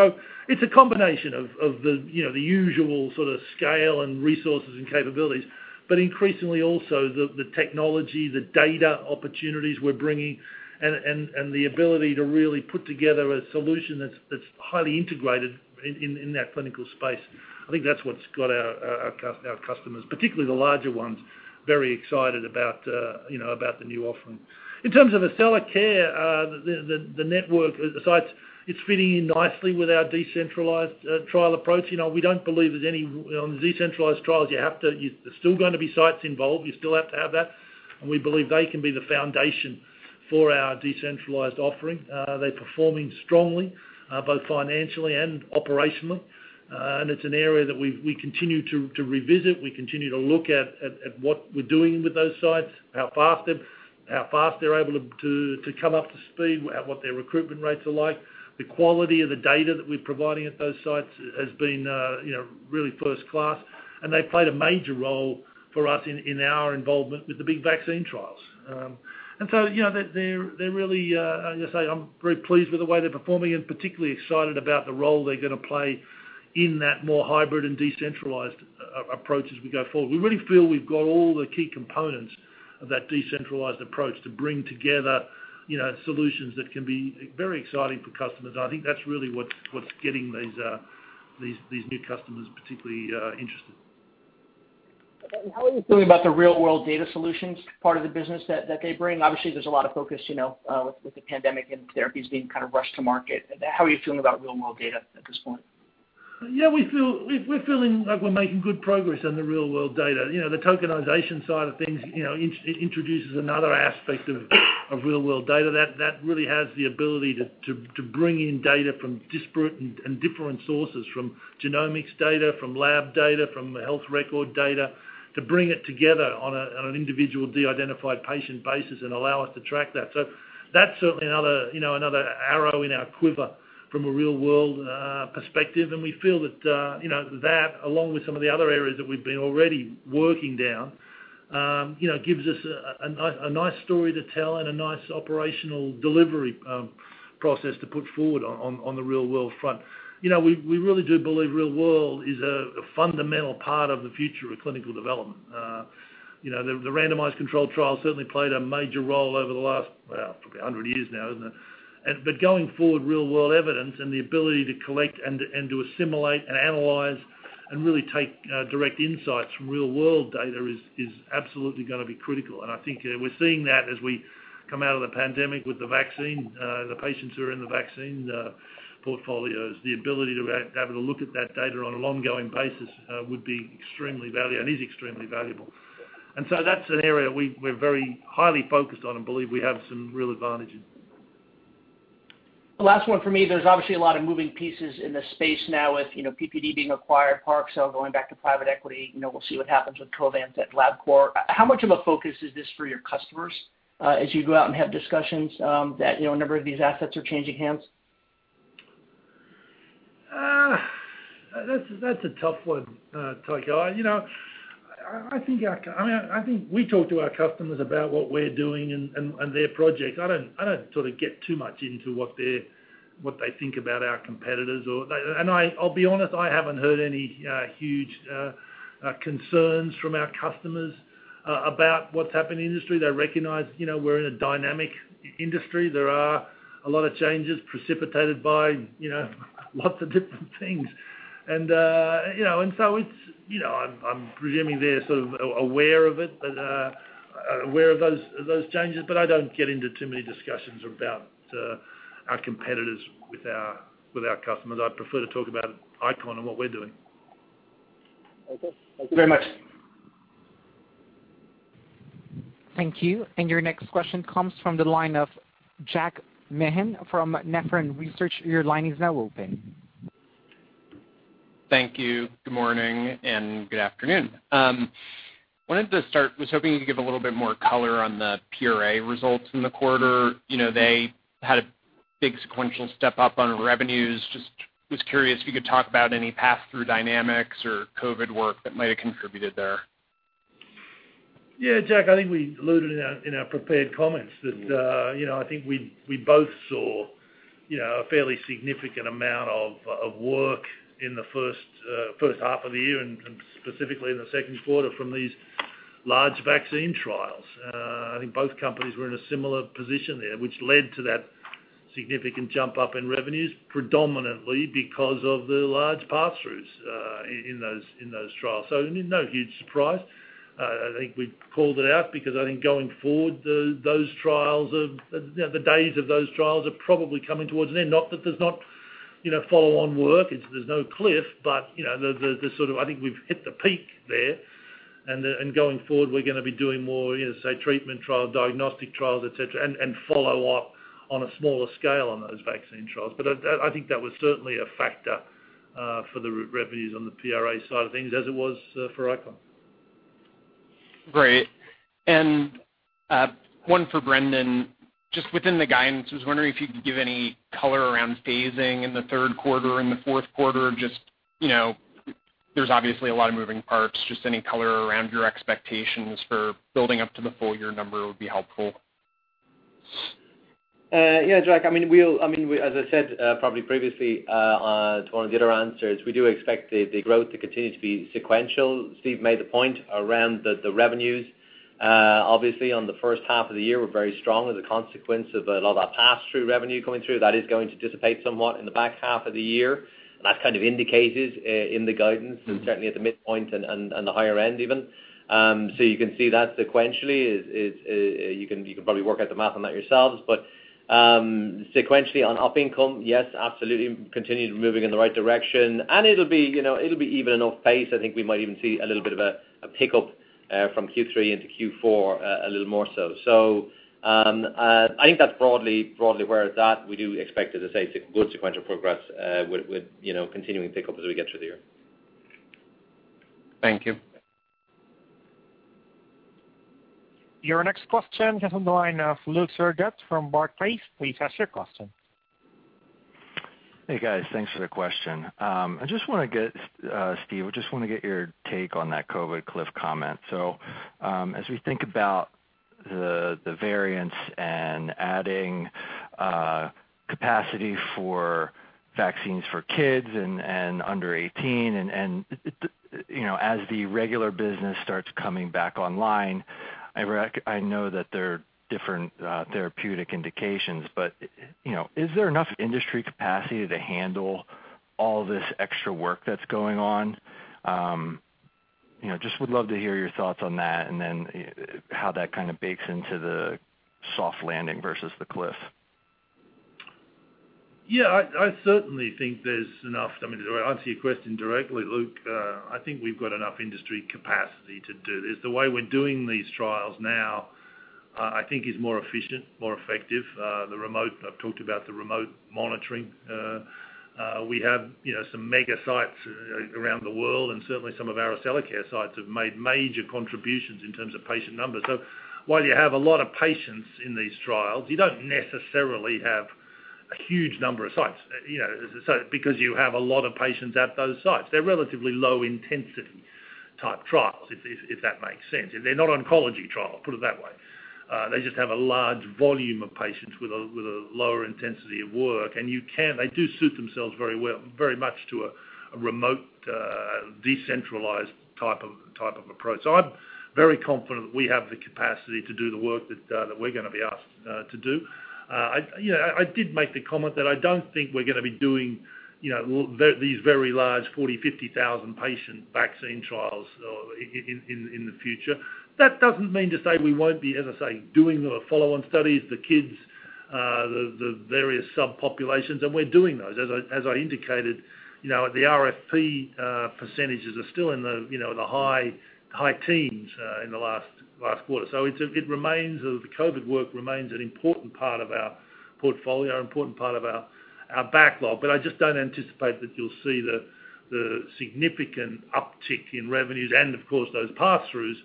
It's a combination of the usual sort of scale and resources and capabilities, but increasingly also the technology, the data opportunities we're bringing, and the ability to really put together a solution that's highly integrated in that clinical space. I think that's what's got our customers, particularly the larger ones, very excited about the new offering. In terms of Accellacare, the network, the sites, it's fitting in nicely with our decentralized trial approach. On decentralized trials, there's still going to be sites involved. You still have to have that, and we believe they can be the foundation for our decentralized offering. They're performing strongly both financially and operationally. It's an area that we continue to revisit. We continue to look at what we're doing with those sites, how fast they're able to come up to speed, what their recruitment rates are like. The quality of the data that we're providing at those sites has been really first class, and they played a major role for us in our involvement with the big vaccine trials. As I say, I'm very pleased with the way they're performing and particularly excited about the role they're going to play in that more hybrid and decentralized approach as we go forward. We really feel we've got all the key components of that decentralized approach to bring together solutions that can be very exciting for customers. I think that's really what's getting these new customers particularly interested. How are you feeling about the real-world data solutions part of the business that they bring? Obviously, there's a lot of focus, with the pandemic and therapies being rushed to market. How are you feeling about real-world data at this point? We're feeling like we're making good progress in the real-world data. The tokenization side of things introduces another aspect of real-world data that really has the ability to bring in data from disparate and different sources, from genomics data, from lab data, from health record data, to bring it together on an individual de-identified patient basis and allow us to track that. That's certainly another arrow in our quiver from a real-world perspective. We feel that that, along with some of the other areas that we've been already working down gives us a nice story to tell and a nice operational delivery process to put forward on the real-world front. We really do believe real-world is a fundamental part of the future of clinical development. The randomized control trial certainly played a major role over the last, well, probably 100 years now, isn't it? Going forward, real-world evidence and the ability to collect and to assimilate and analyze and really take direct insights from real-world data is absolutely going to be critical. I think we're seeing that as we come out of the pandemic with the vaccine. The patients who are in the vaccine portfolios, the ability to have a look at that data on an ongoing basis would be extremely valuable and is extremely valuable. That's an area we're very highly focused on and believe we have some real advantage in. Last one from me. There's obviously a lot of moving pieces in this space now with PPD being acquired, Parexel going back to private equity. We'll see what happens with Covance at LabCorp. How much of a focus is this for your customers as you go out and have discussions that a number of these assets are changing hands? That's a tough one, Tycho. I think we talk to our customers about what we're doing and their projects. I don't sort of get too much into what they think about our competitors. I'll be honest, I haven't heard any huge concerns from our customers about what's happened in the industry. They recognize we're in a dynamic industry. There are a lot of changes precipitated by lots of different things. I'm presuming they're sort of aware of it, aware of those changes, but I don't get into too many discussions about our competitors with our customers. I prefer to talk about ICON and what we're doing. Okay. Thank you very much. Thank you. Your next question comes from the line of Jack Meehan from Nephron Research. Your line is now open. Thank you. Good morning and good afternoon. Wanted to start, was hoping you could give a little bit more color on the PRA results in the quarter. They had a big sequential step-up on revenues. Just was curious if you could talk about any pass-through dynamics or COVID work that might have contributed there. Yeah, Jack, I think we alluded in our prepared comments that I think we both saw a fairly significant amount of work in the first half of the year and specifically in the second quarter from these large vaccine trials. I think both companies were in a similar position there, which led to that significant jump up in revenues, predominantly because of the large pass-throughs in those trials. No huge surprise. I think we called it out because I think going forward, the days of those trials are probably coming towards an end. Not that there's not follow-on work, there's no cliff, but I think we've hit the peak there. Going forward, we're going to be doing more, say, treatment trials, diagnostic trials, et cetera, and follow up on a smaller scale on those vaccine trials. I think that was certainly a factor for the revenues on the PRA side of things, as it was for ICON. Great. One for Brendan. Just within the guidance, I was wondering if you could give any color around phasing in the third quarter and the fourth quarter. There's obviously a lot of moving parts. Just any color around your expectations for building up to the full year number would be helpful. Yeah, Jack. As I said probably previously to one of the other answers, we do expect the growth to continue to be sequential. Steve made the point around the revenues. Obviously, on the first half of the year, we're very strong as a consequence of a lot of our pass-through revenue coming through. That is going to dissipate somewhat in the back half of the year, and that's indicated in the guidance, certainly at the midpoint and the higher end even. You can see that sequentially. You can probably work out the math on that yourselves. Sequentially, on op income, yes, absolutely, continued moving in the right direction. It'll be even an off pace. I think we might even see a little bit of a pickup from Q3 into Q4, a little more so. I think that's broadly where it's at. We do expect, as I say, good sequential progress with continuing pickups as we get through the year. Thank you. Your next question comes on the line of Luke Sergott from Barclays. Please ask your question. Hey, guys. Thanks for the question. Steve, I just want to get your take on that COVID cliff comment. As we think about the variants and adding capacity for vaccines for kids and under 18, and as the regular business starts coming back online, I know that there are different therapeutic indications, but is there enough industry capacity to handle all this extra work that's going on? Just would love to hear your thoughts on that and then how that kind of bakes into the soft landing versus the cliff. Yeah, I certainly think there's enough. To answer your question directly, Luke, I think we've got enough industry capacity to do this. The way we're doing these trials now I think is more efficient, more effective. I've talked about the remote monitoring. We have some mega sites around the world, and certainly some of our Accellacare sites have made major contributions in terms of patient numbers. While you have a lot of patients in these trials, you don't necessarily have a huge number of sites, because you have a lot of patients at those sites. They're relatively low-intensity type trials, if that makes sense. They're not oncology trials, put it that way. They just have a large volume of patients with a lower intensity of work. They do suit themselves very much to a remote, decentralized type of approach. I'm very confident that we have the capacity to do the work that we're going to be asked to do. I did make the comment that I don't think we're going to be doing these very large 40,000, 50,000 patient vaccine trials in the future. That doesn't mean to say we won't be, as I say, doing the follow-on studies, the kids, the various subpopulations, and we're doing those. As I indicated, the RFP % are still in the high teens in the last quarter. The COVID work remains an important part of our portfolio, an important part of our backlog. I just don't anticipate that you'll see the significant uptick in revenues and, of course, those pass-throughs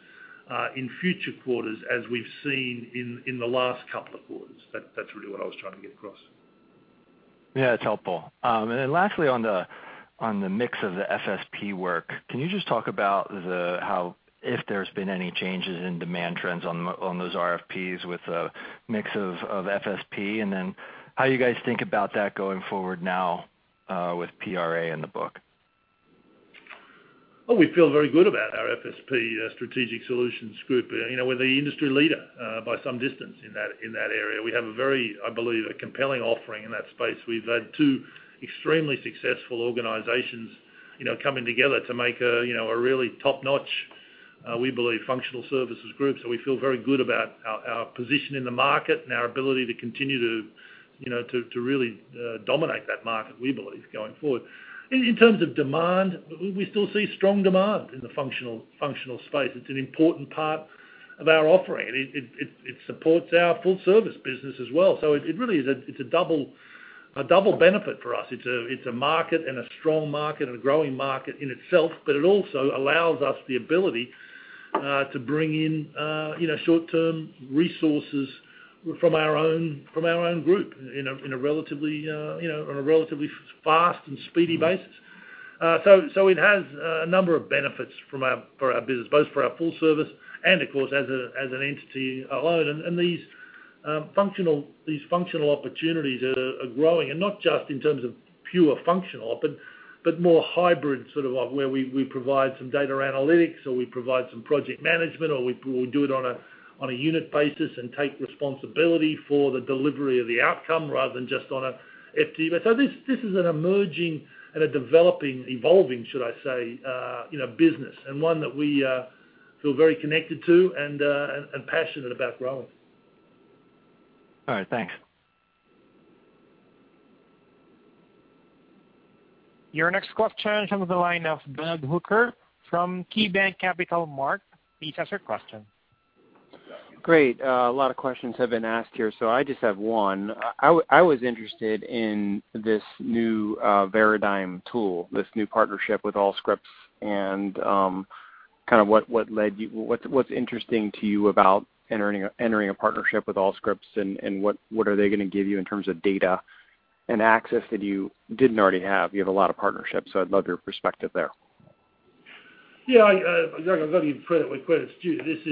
in future quarters as we've seen in the last couple of quarters. That's really what I was trying to get across. Yeah, it's helpful. Then lastly, on the mix of the FSP work, can you just talk about if there's been any changes in demand trends on those RFPs with a mix of FSP, then how you guys think about that going forward now with PRA in the book? We feel very good about our FSP ICON Strategic Solutions. We're the industry leader by some distance in that area. We have a very, I believe, a compelling offering in that space. We've had two extremely successful organizations coming together to make a really top-notch, we believe, functional services group. We feel very good about our position in the market and our ability to continue to really dominate that market, we believe, going forward. In terms of demand, we still see strong demand in the functional space. It's an important part of our offering. It supports our full service business as well. It really is a double benefit for us. It's a market and a strong market and a growing market in itself, it also allows us the ability to bring in short-term resources from our own group on a relatively fast and speedy basis. It has a number of benefits for our business, both for our full service and, of course, as an entity alone. These functional opportunities are growing, and not just in terms of pure functional, but more hybrid, sort of where we provide some data analytics or we provide some project management, or we do it on a unit basis and take responsibility for the delivery of the outcome rather than just on a FTE. This is an emerging and a developing, evolving, should I say, business and one that we feel very connected to and passionate about growing. All right. Thanks. Your next question comes on the line of Ben Hooker from KeyBanc Capital Markets. Please ask your question. Great. A lot of questions have been asked here. I just have one. I was interested in this new Veradigm tool, this new partnership with Allscripts. What's interesting to you about entering a partnership with Allscripts? What are they going to give you in terms of data and access that you didn't already have? You have a lot of partnerships. I'd love your perspective there. Yeah. I've got to give credit where credit's due. This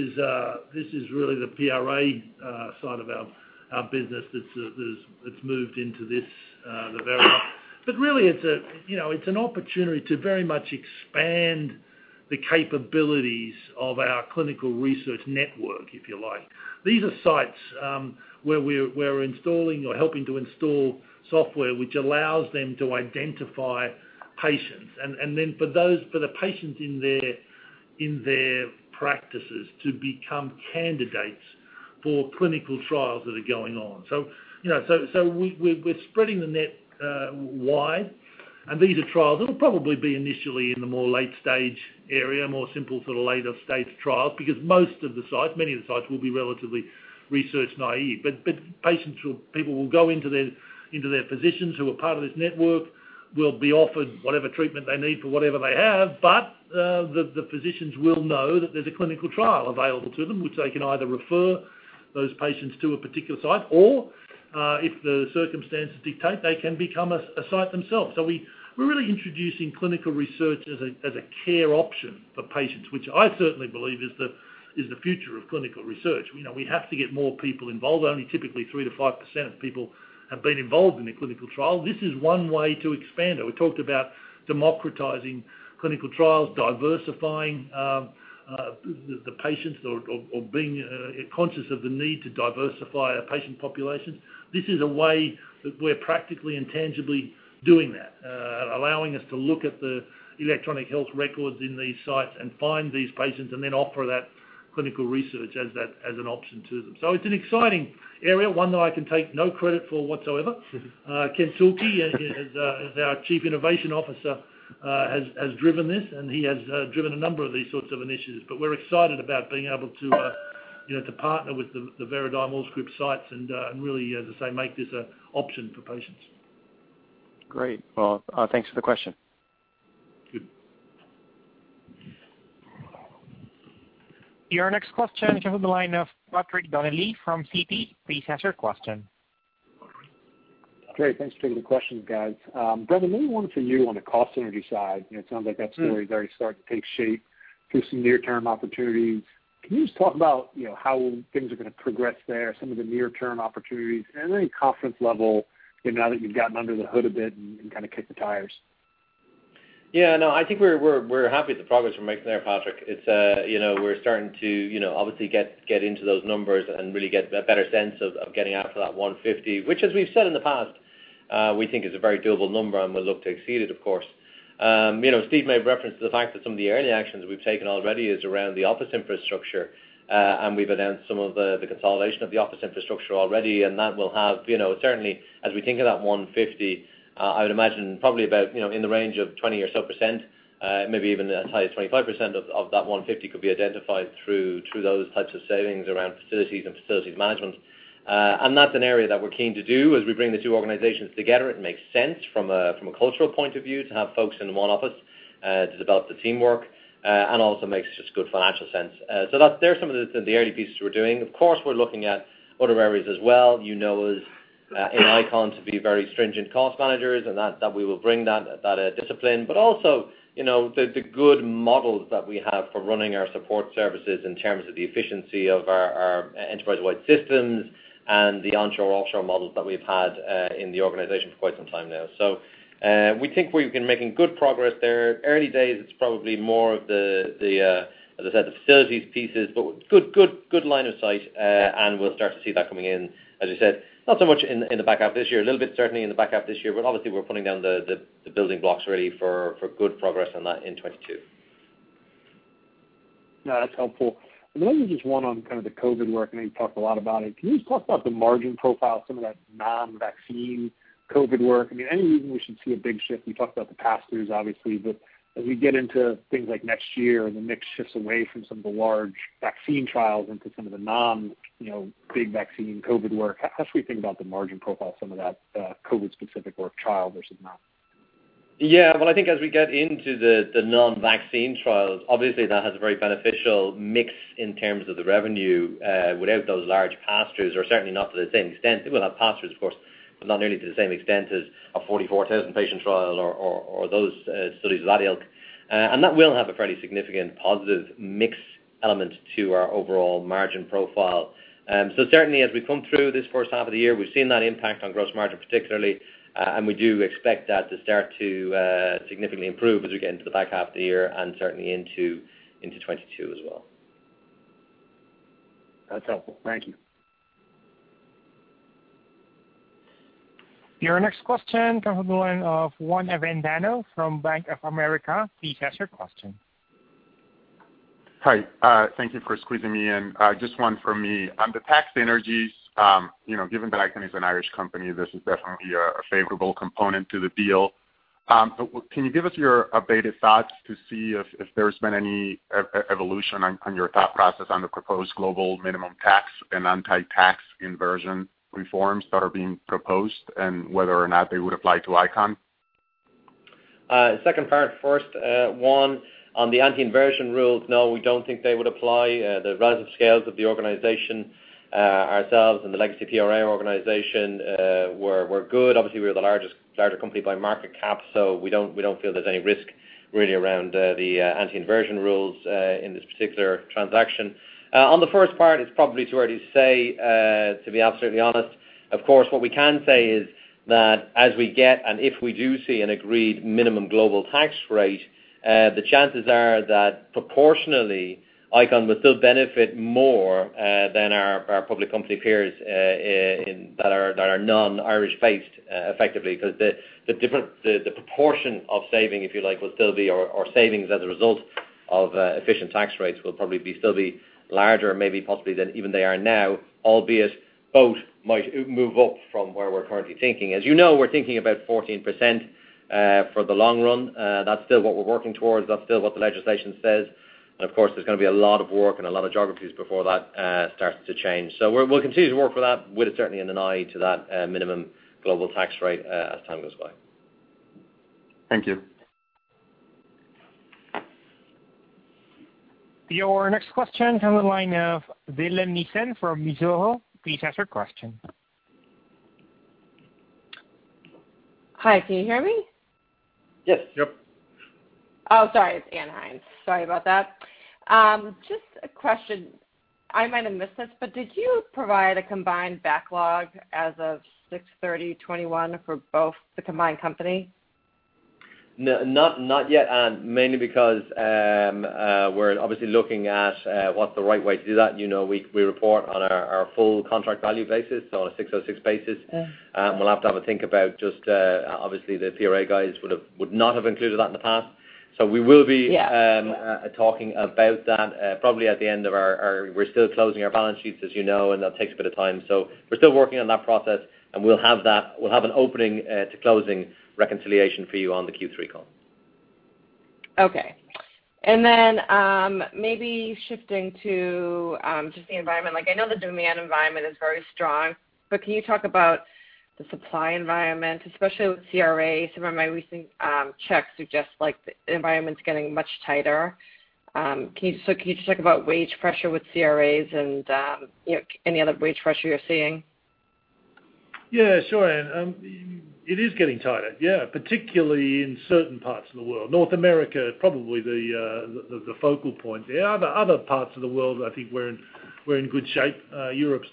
is really the PRA side of our business that's moved into this, the Veradigm. Really, it's an opportunity to very much expand the capabilities of our clinical research network, if you like. These are sites where we're installing or helping to install software which allows them to identify patients. Then for the patients in their practices to become candidates for clinical trials that are going on. We're spreading the net wide. These are trials that'll probably be initially in the more late-stage area, more simple for the later-stage trials, because most of the sites, many of the sites will be relatively research naive. People will go into their physicians who are part of this network, will be offered whatever treatment they need for whatever they have, but the physicians will know that there's a clinical trial available to them, which they can either refer those patients to a particular site or, if the circumstances dictate, they can become a site themselves. We're really introducing clinical research as a care option for patients, which I certainly believe is the future of clinical research. We have to get more people involved. Only typically 3%-5% of people have been involved in a clinical trial. This is one way to expand it. We talked about democratizing clinical trials, diversifying the patients or being conscious of the need to diversify our patient populations. This is a way that we're practically and tangibly doing that. Allowing us to look at the electronic health records in these sites and find these patients and then offer that clinical research as an option to them. It's an exciting area, one that I can take no credit for whatsoever. Kent Thoelke, as our Chief Innovation Officer has driven this, and he has driven a number of these sorts of initiatives. We're excited about being able to partner with the Veradigm Allscripts sites and really, as I say, make this an option for patients. Great. Well, thanks for the question. Good. Your next question comes on the line of Patrick Donnelly from Citi. Please ask your question. Great. Thanks for taking the questions, guys. Brendan, maybe one for you on the cost synergy side. It sounds like that story is already starting to take shape through some near-term opportunities. Can you just talk about how things are going to progress there, some of the near-term opportunities, and any confidence level now that you've gotten under the hood a bit and kind of kicked the tires? No, I think we're happy with the progress we're making there, Patrick. We're starting to obviously get into those numbers and really get a better sense of getting after that 150, which, as we've said in the past, we think is a very doable number, and we'll look to exceed it, of course. Steve made reference to the fact that some of the early actions we've taken already is around the office infrastructure, and we've announced some of the consolidation of the office infrastructure already, and that will have certainly, as we think of that 150, I would imagine probably about in the range of 20% or so maybe even as high as 25% of that 150 could be identified through those types of savings around facilities and facilities management. That's an area that we're keen to do as we bring the two organizations together. It makes sense from a cultural point of view to have folks in one office to develop the teamwork and also makes just good financial sense. There's some of the early pieces we're doing. Of course, we're looking at other areas as well. You know us in ICON to be very stringent cost managers and that we will bring that discipline. Also, the good models that we have for running our support services in terms of the efficiency of our enterprise-wide systems and the onshore, offshore models that we've had in the organization for quite some time now. We think we've been making good progress there. Early days, it's probably more of the, as I said, the facilities pieces, but good line of sight, and we'll start to see that coming in, as you said. Not so much in the back half of this year. A little bit, certainly in the back half of this year, but obviously we're putting down the building blocks really for good progress on that in 2022. No, that's helpful. Then maybe just one on kind of the COVID work. I know you've talked a lot about it. Can you just talk about the margin profile of some of that non-vaccine COVID work? Any reason we should see a big shift? You talked about the pass-throughs, obviously, but as we get into things like next year and the mix shifts away from some of the large vaccine trials into some of the non-big vaccine COVID work, how should we think about the margin profile of some of that COVID-specific work trial versus not? I think as we get into the non-vaccine trials, obviously that has a very beneficial mix in terms of the revenue without those large pass-throughs, or certainly not to the same extent. It will have pass-throughs, of course, but not nearly to the same extent as a 44,000-patient trial or those studies of that ilk. That will have a fairly significant positive mix element to our overall margin profile. Certainly, as we come through this first half of the year, we've seen that impact on gross margin particularly, and we do expect that to start to significantly improve as we get into the back half of the year and certainly into 2022 as well. That's helpful. Thank you. Your next question comes on the line of Juan Avendano from Bank of America. Please ask your question. Hi. Thank you for squeezing me in. Just one for me. On the tax synergies, given that ICON is an Irish company, this is definitely a favorable component to the deal. Can you give us your updated thoughts to see if there's been any evolution on your thought process on the proposed global minimum tax and anti-tax inversion reforms that are being proposed, and whether or not they would apply to ICON? Second part first. One, on the anti-inversion rules, no, we don't think they would apply. The relative scales of the organization, ourselves, and the legacy PRA organization were good. Obviously, we're the largest company by market cap, so we don't feel there's any risk really around the anti-inversion rules in this particular transaction. On the first part, it's probably too early to say, to be absolutely honest. Of course, what we can say is that as we get, and if we do see an agreed minimum global tax rate, the chances are that proportionally, ICON would still benefit more than our public company peers that are non-Irish based effectively, because the proportion of saving, if you like, or savings as a result of efficient tax rates will probably still be larger maybe possibly than even they are now, albeit both might move up from where we're currently thinking. As you know, we're thinking about 14% for the long run. That's still what we're working towards. That's still what the legislation says, and of course, there's going to be a lot of work and a lot of geographies before that starts to change. We'll continue to work for that with certainly an eye to that minimum global tax rate as time goes by. Thank you. Your next question comes on the line Dillon Nissan from Mizuho. Please ask your question. Hi, can you hear me? Yes. Yep. Sorry, it's Ann Hynes. Sorry about that. Just a question. I might have missed this, did you provide a combined backlog as of 06/30/2021 for both the combined company? Not yet, Ann Hynes. Mainly because we're obviously looking at what the right way to do that. We report on our full contract value basis, so on a 606 basis. Yeah. We'll have to have a think about just, obviously the PRA guys would not have included that in the past. Yeah We're still closing our balance sheets, as you know, and that takes a bit of time. We're still working on that process, and we'll have an opening to closing reconciliation for you on the Q3 call. Okay. Maybe shifting to just the environment. I know the demand environment is very strong, but can you talk about the supply environment, especially with CRA? Some of my recent checks suggest the environment's getting much tighter. Can you just talk about wage pressure with CRAs and any other wage pressure you're seeing? Yeah, sure, Ann Hynes. It is getting tighter, yeah, particularly in certain parts of the world. North America probably the focal point. The other parts of the world, I think we're in good shape. Europe's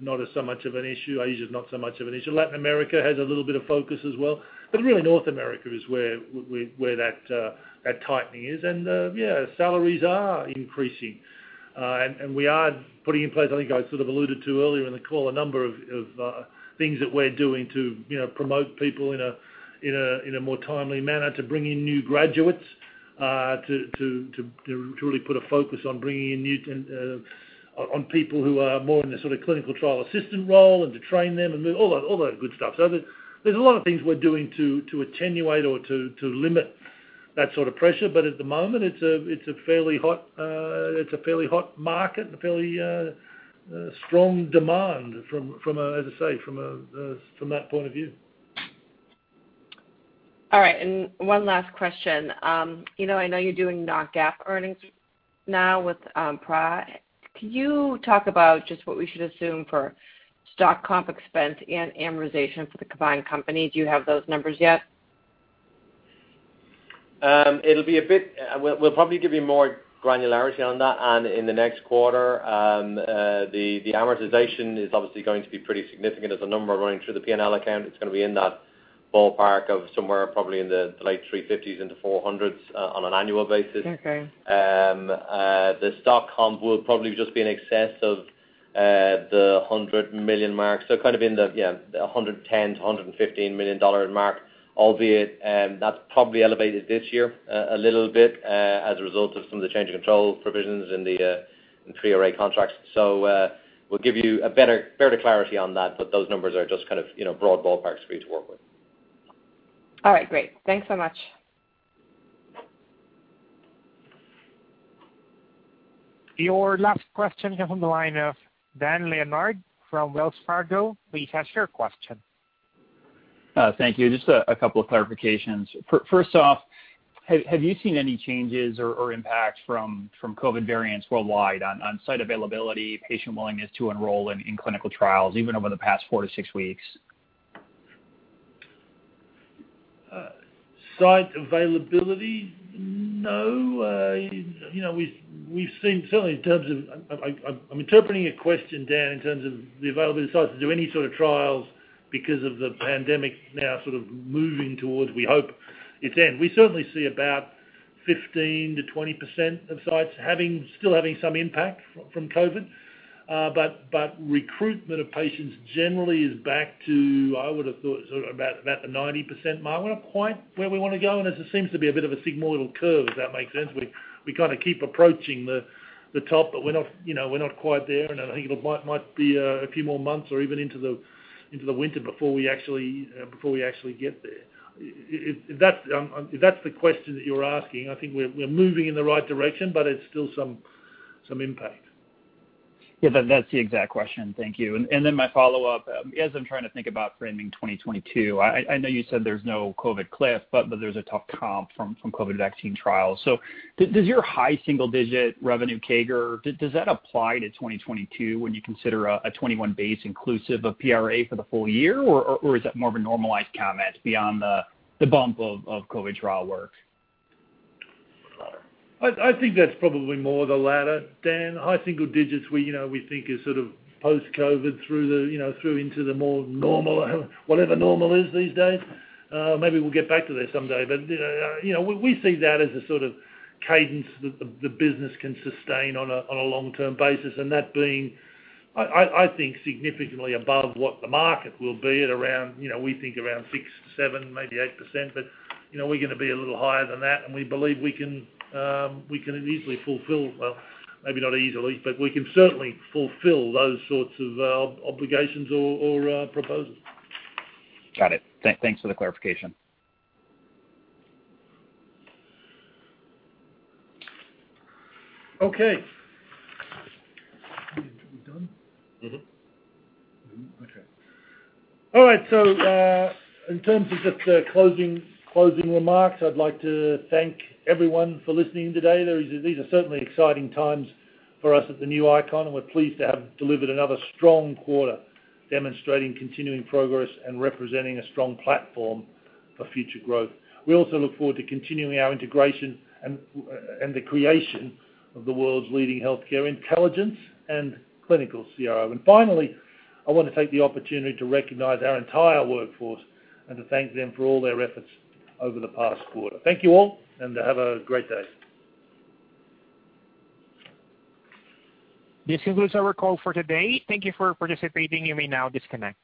not as so much of an issue. Asia's not so much of an issue. Latin America has a little bit of focus as well. Really North America is where that tightening is. Yeah, salaries are increasing. We are putting in place, I think I sort of alluded to earlier in the call, a number of things that we're doing to promote people in a more timely manner, to bring in new graduates, to really put a focus on bringing in people who are more in the clinical trial assistant role and to train them and all that good stuff. There's a lot of things we're doing to attenuate or to limit that sort of pressure. At the moment, it's a fairly hot market and fairly strong demand, as I say, from that point of view. All right. One last question. I know you're doing non-GAAP earnings now with PRA. Can you talk about just what we should assume for stock comp expense and amortization for the combined company? Do you have those numbers yet? We'll probably give you more granularity on that, Ann, in the next quarter. The amortization is obviously going to be pretty significant as a number running through the P&L account. It's going to be in that ballpark of somewhere probably in the late $350s-$400s on an annual basis. Okay. The stock comp will probably just be in excess of the $100 million mark. Kind of in the $110 million-$115 million mark, albeit that's probably elevated this year a little bit as a result of some of the change in control provisions in the PRA contracts. We'll give you a better clarity on that, but those numbers are just kind of broad ballparks for you to work with. All right, great. Thanks so much. Your last question comes on the line of Dan Leonard from Wells Fargo. Please ask your question. Thank you. Just a couple of clarifications. First off, have you seen any changes or impacts from COVID variants worldwide on site availability, patient willingness to enroll in clinical trials, even over the past four to six weeks? Site availability, no. I'm interpreting your question, Dan, in terms of the availability of sites to do any sort of trials because of the pandemic now sort of moving towards, we hope, its end. We certainly see about 15%-20% of sites still having some impact from COVID Recruitment of patients generally is back to, I would have thought, sort of about the 90% mark. We're not quite where we want to go, and it seems to be a bit of a sigmoidal curve, if that makes sense. We kind of keep approaching the top, but we're not quite there. I think it might be a few more months or even into the winter before we actually get there. If that's the question that you're asking, I think we're moving in the right direction, but it's still some impact. Yeah, that's the exact question. Thank you. My follow-up, as I'm trying to think about framing 2022, I know you said there's no COVID cliff, but there's a tough comp from COVID vaccine trials. Does your high single-digit revenue CAGR, does that apply to 2022 when you consider a 2021 base inclusive of PRA for the full year, or is that more of a normalized comment beyond the bump of COVID trial work? I think that's probably more the latter, Dan. High single digits we think is sort of post-COVID through into the more normal, whatever normal is these days. Maybe we'll get back to that someday. We see that as a sort of cadence that the business can sustain on a long-term basis, and that being, I think, significantly above what the market will be at around, we think around 6%-7%, maybe 8%. We're going to be a little higher than that, and we believe we can easily fulfill Well, maybe not easily, but we can certainly fulfill those sorts of obligations or proposals. Got it. Thanks for the clarification. Okay. Are we done? Okay. All right, in terms of just closing remarks, I'd like to thank everyone for listening today. These are certainly exciting times for us at the new ICON, and we're pleased to have delivered another strong quarter demonstrating continuing progress and representing a strong platform for future growth. We also look forward to continuing our integration and the creation of the world's leading healthcare intelligence and clinical CRO. Finally, I want to take the opportunity to recognize our entire workforce and to thank them for all their efforts over the past quarter. Thank you all, and have a great day. This concludes our call for today. Thank you for participating. You may now disconnect.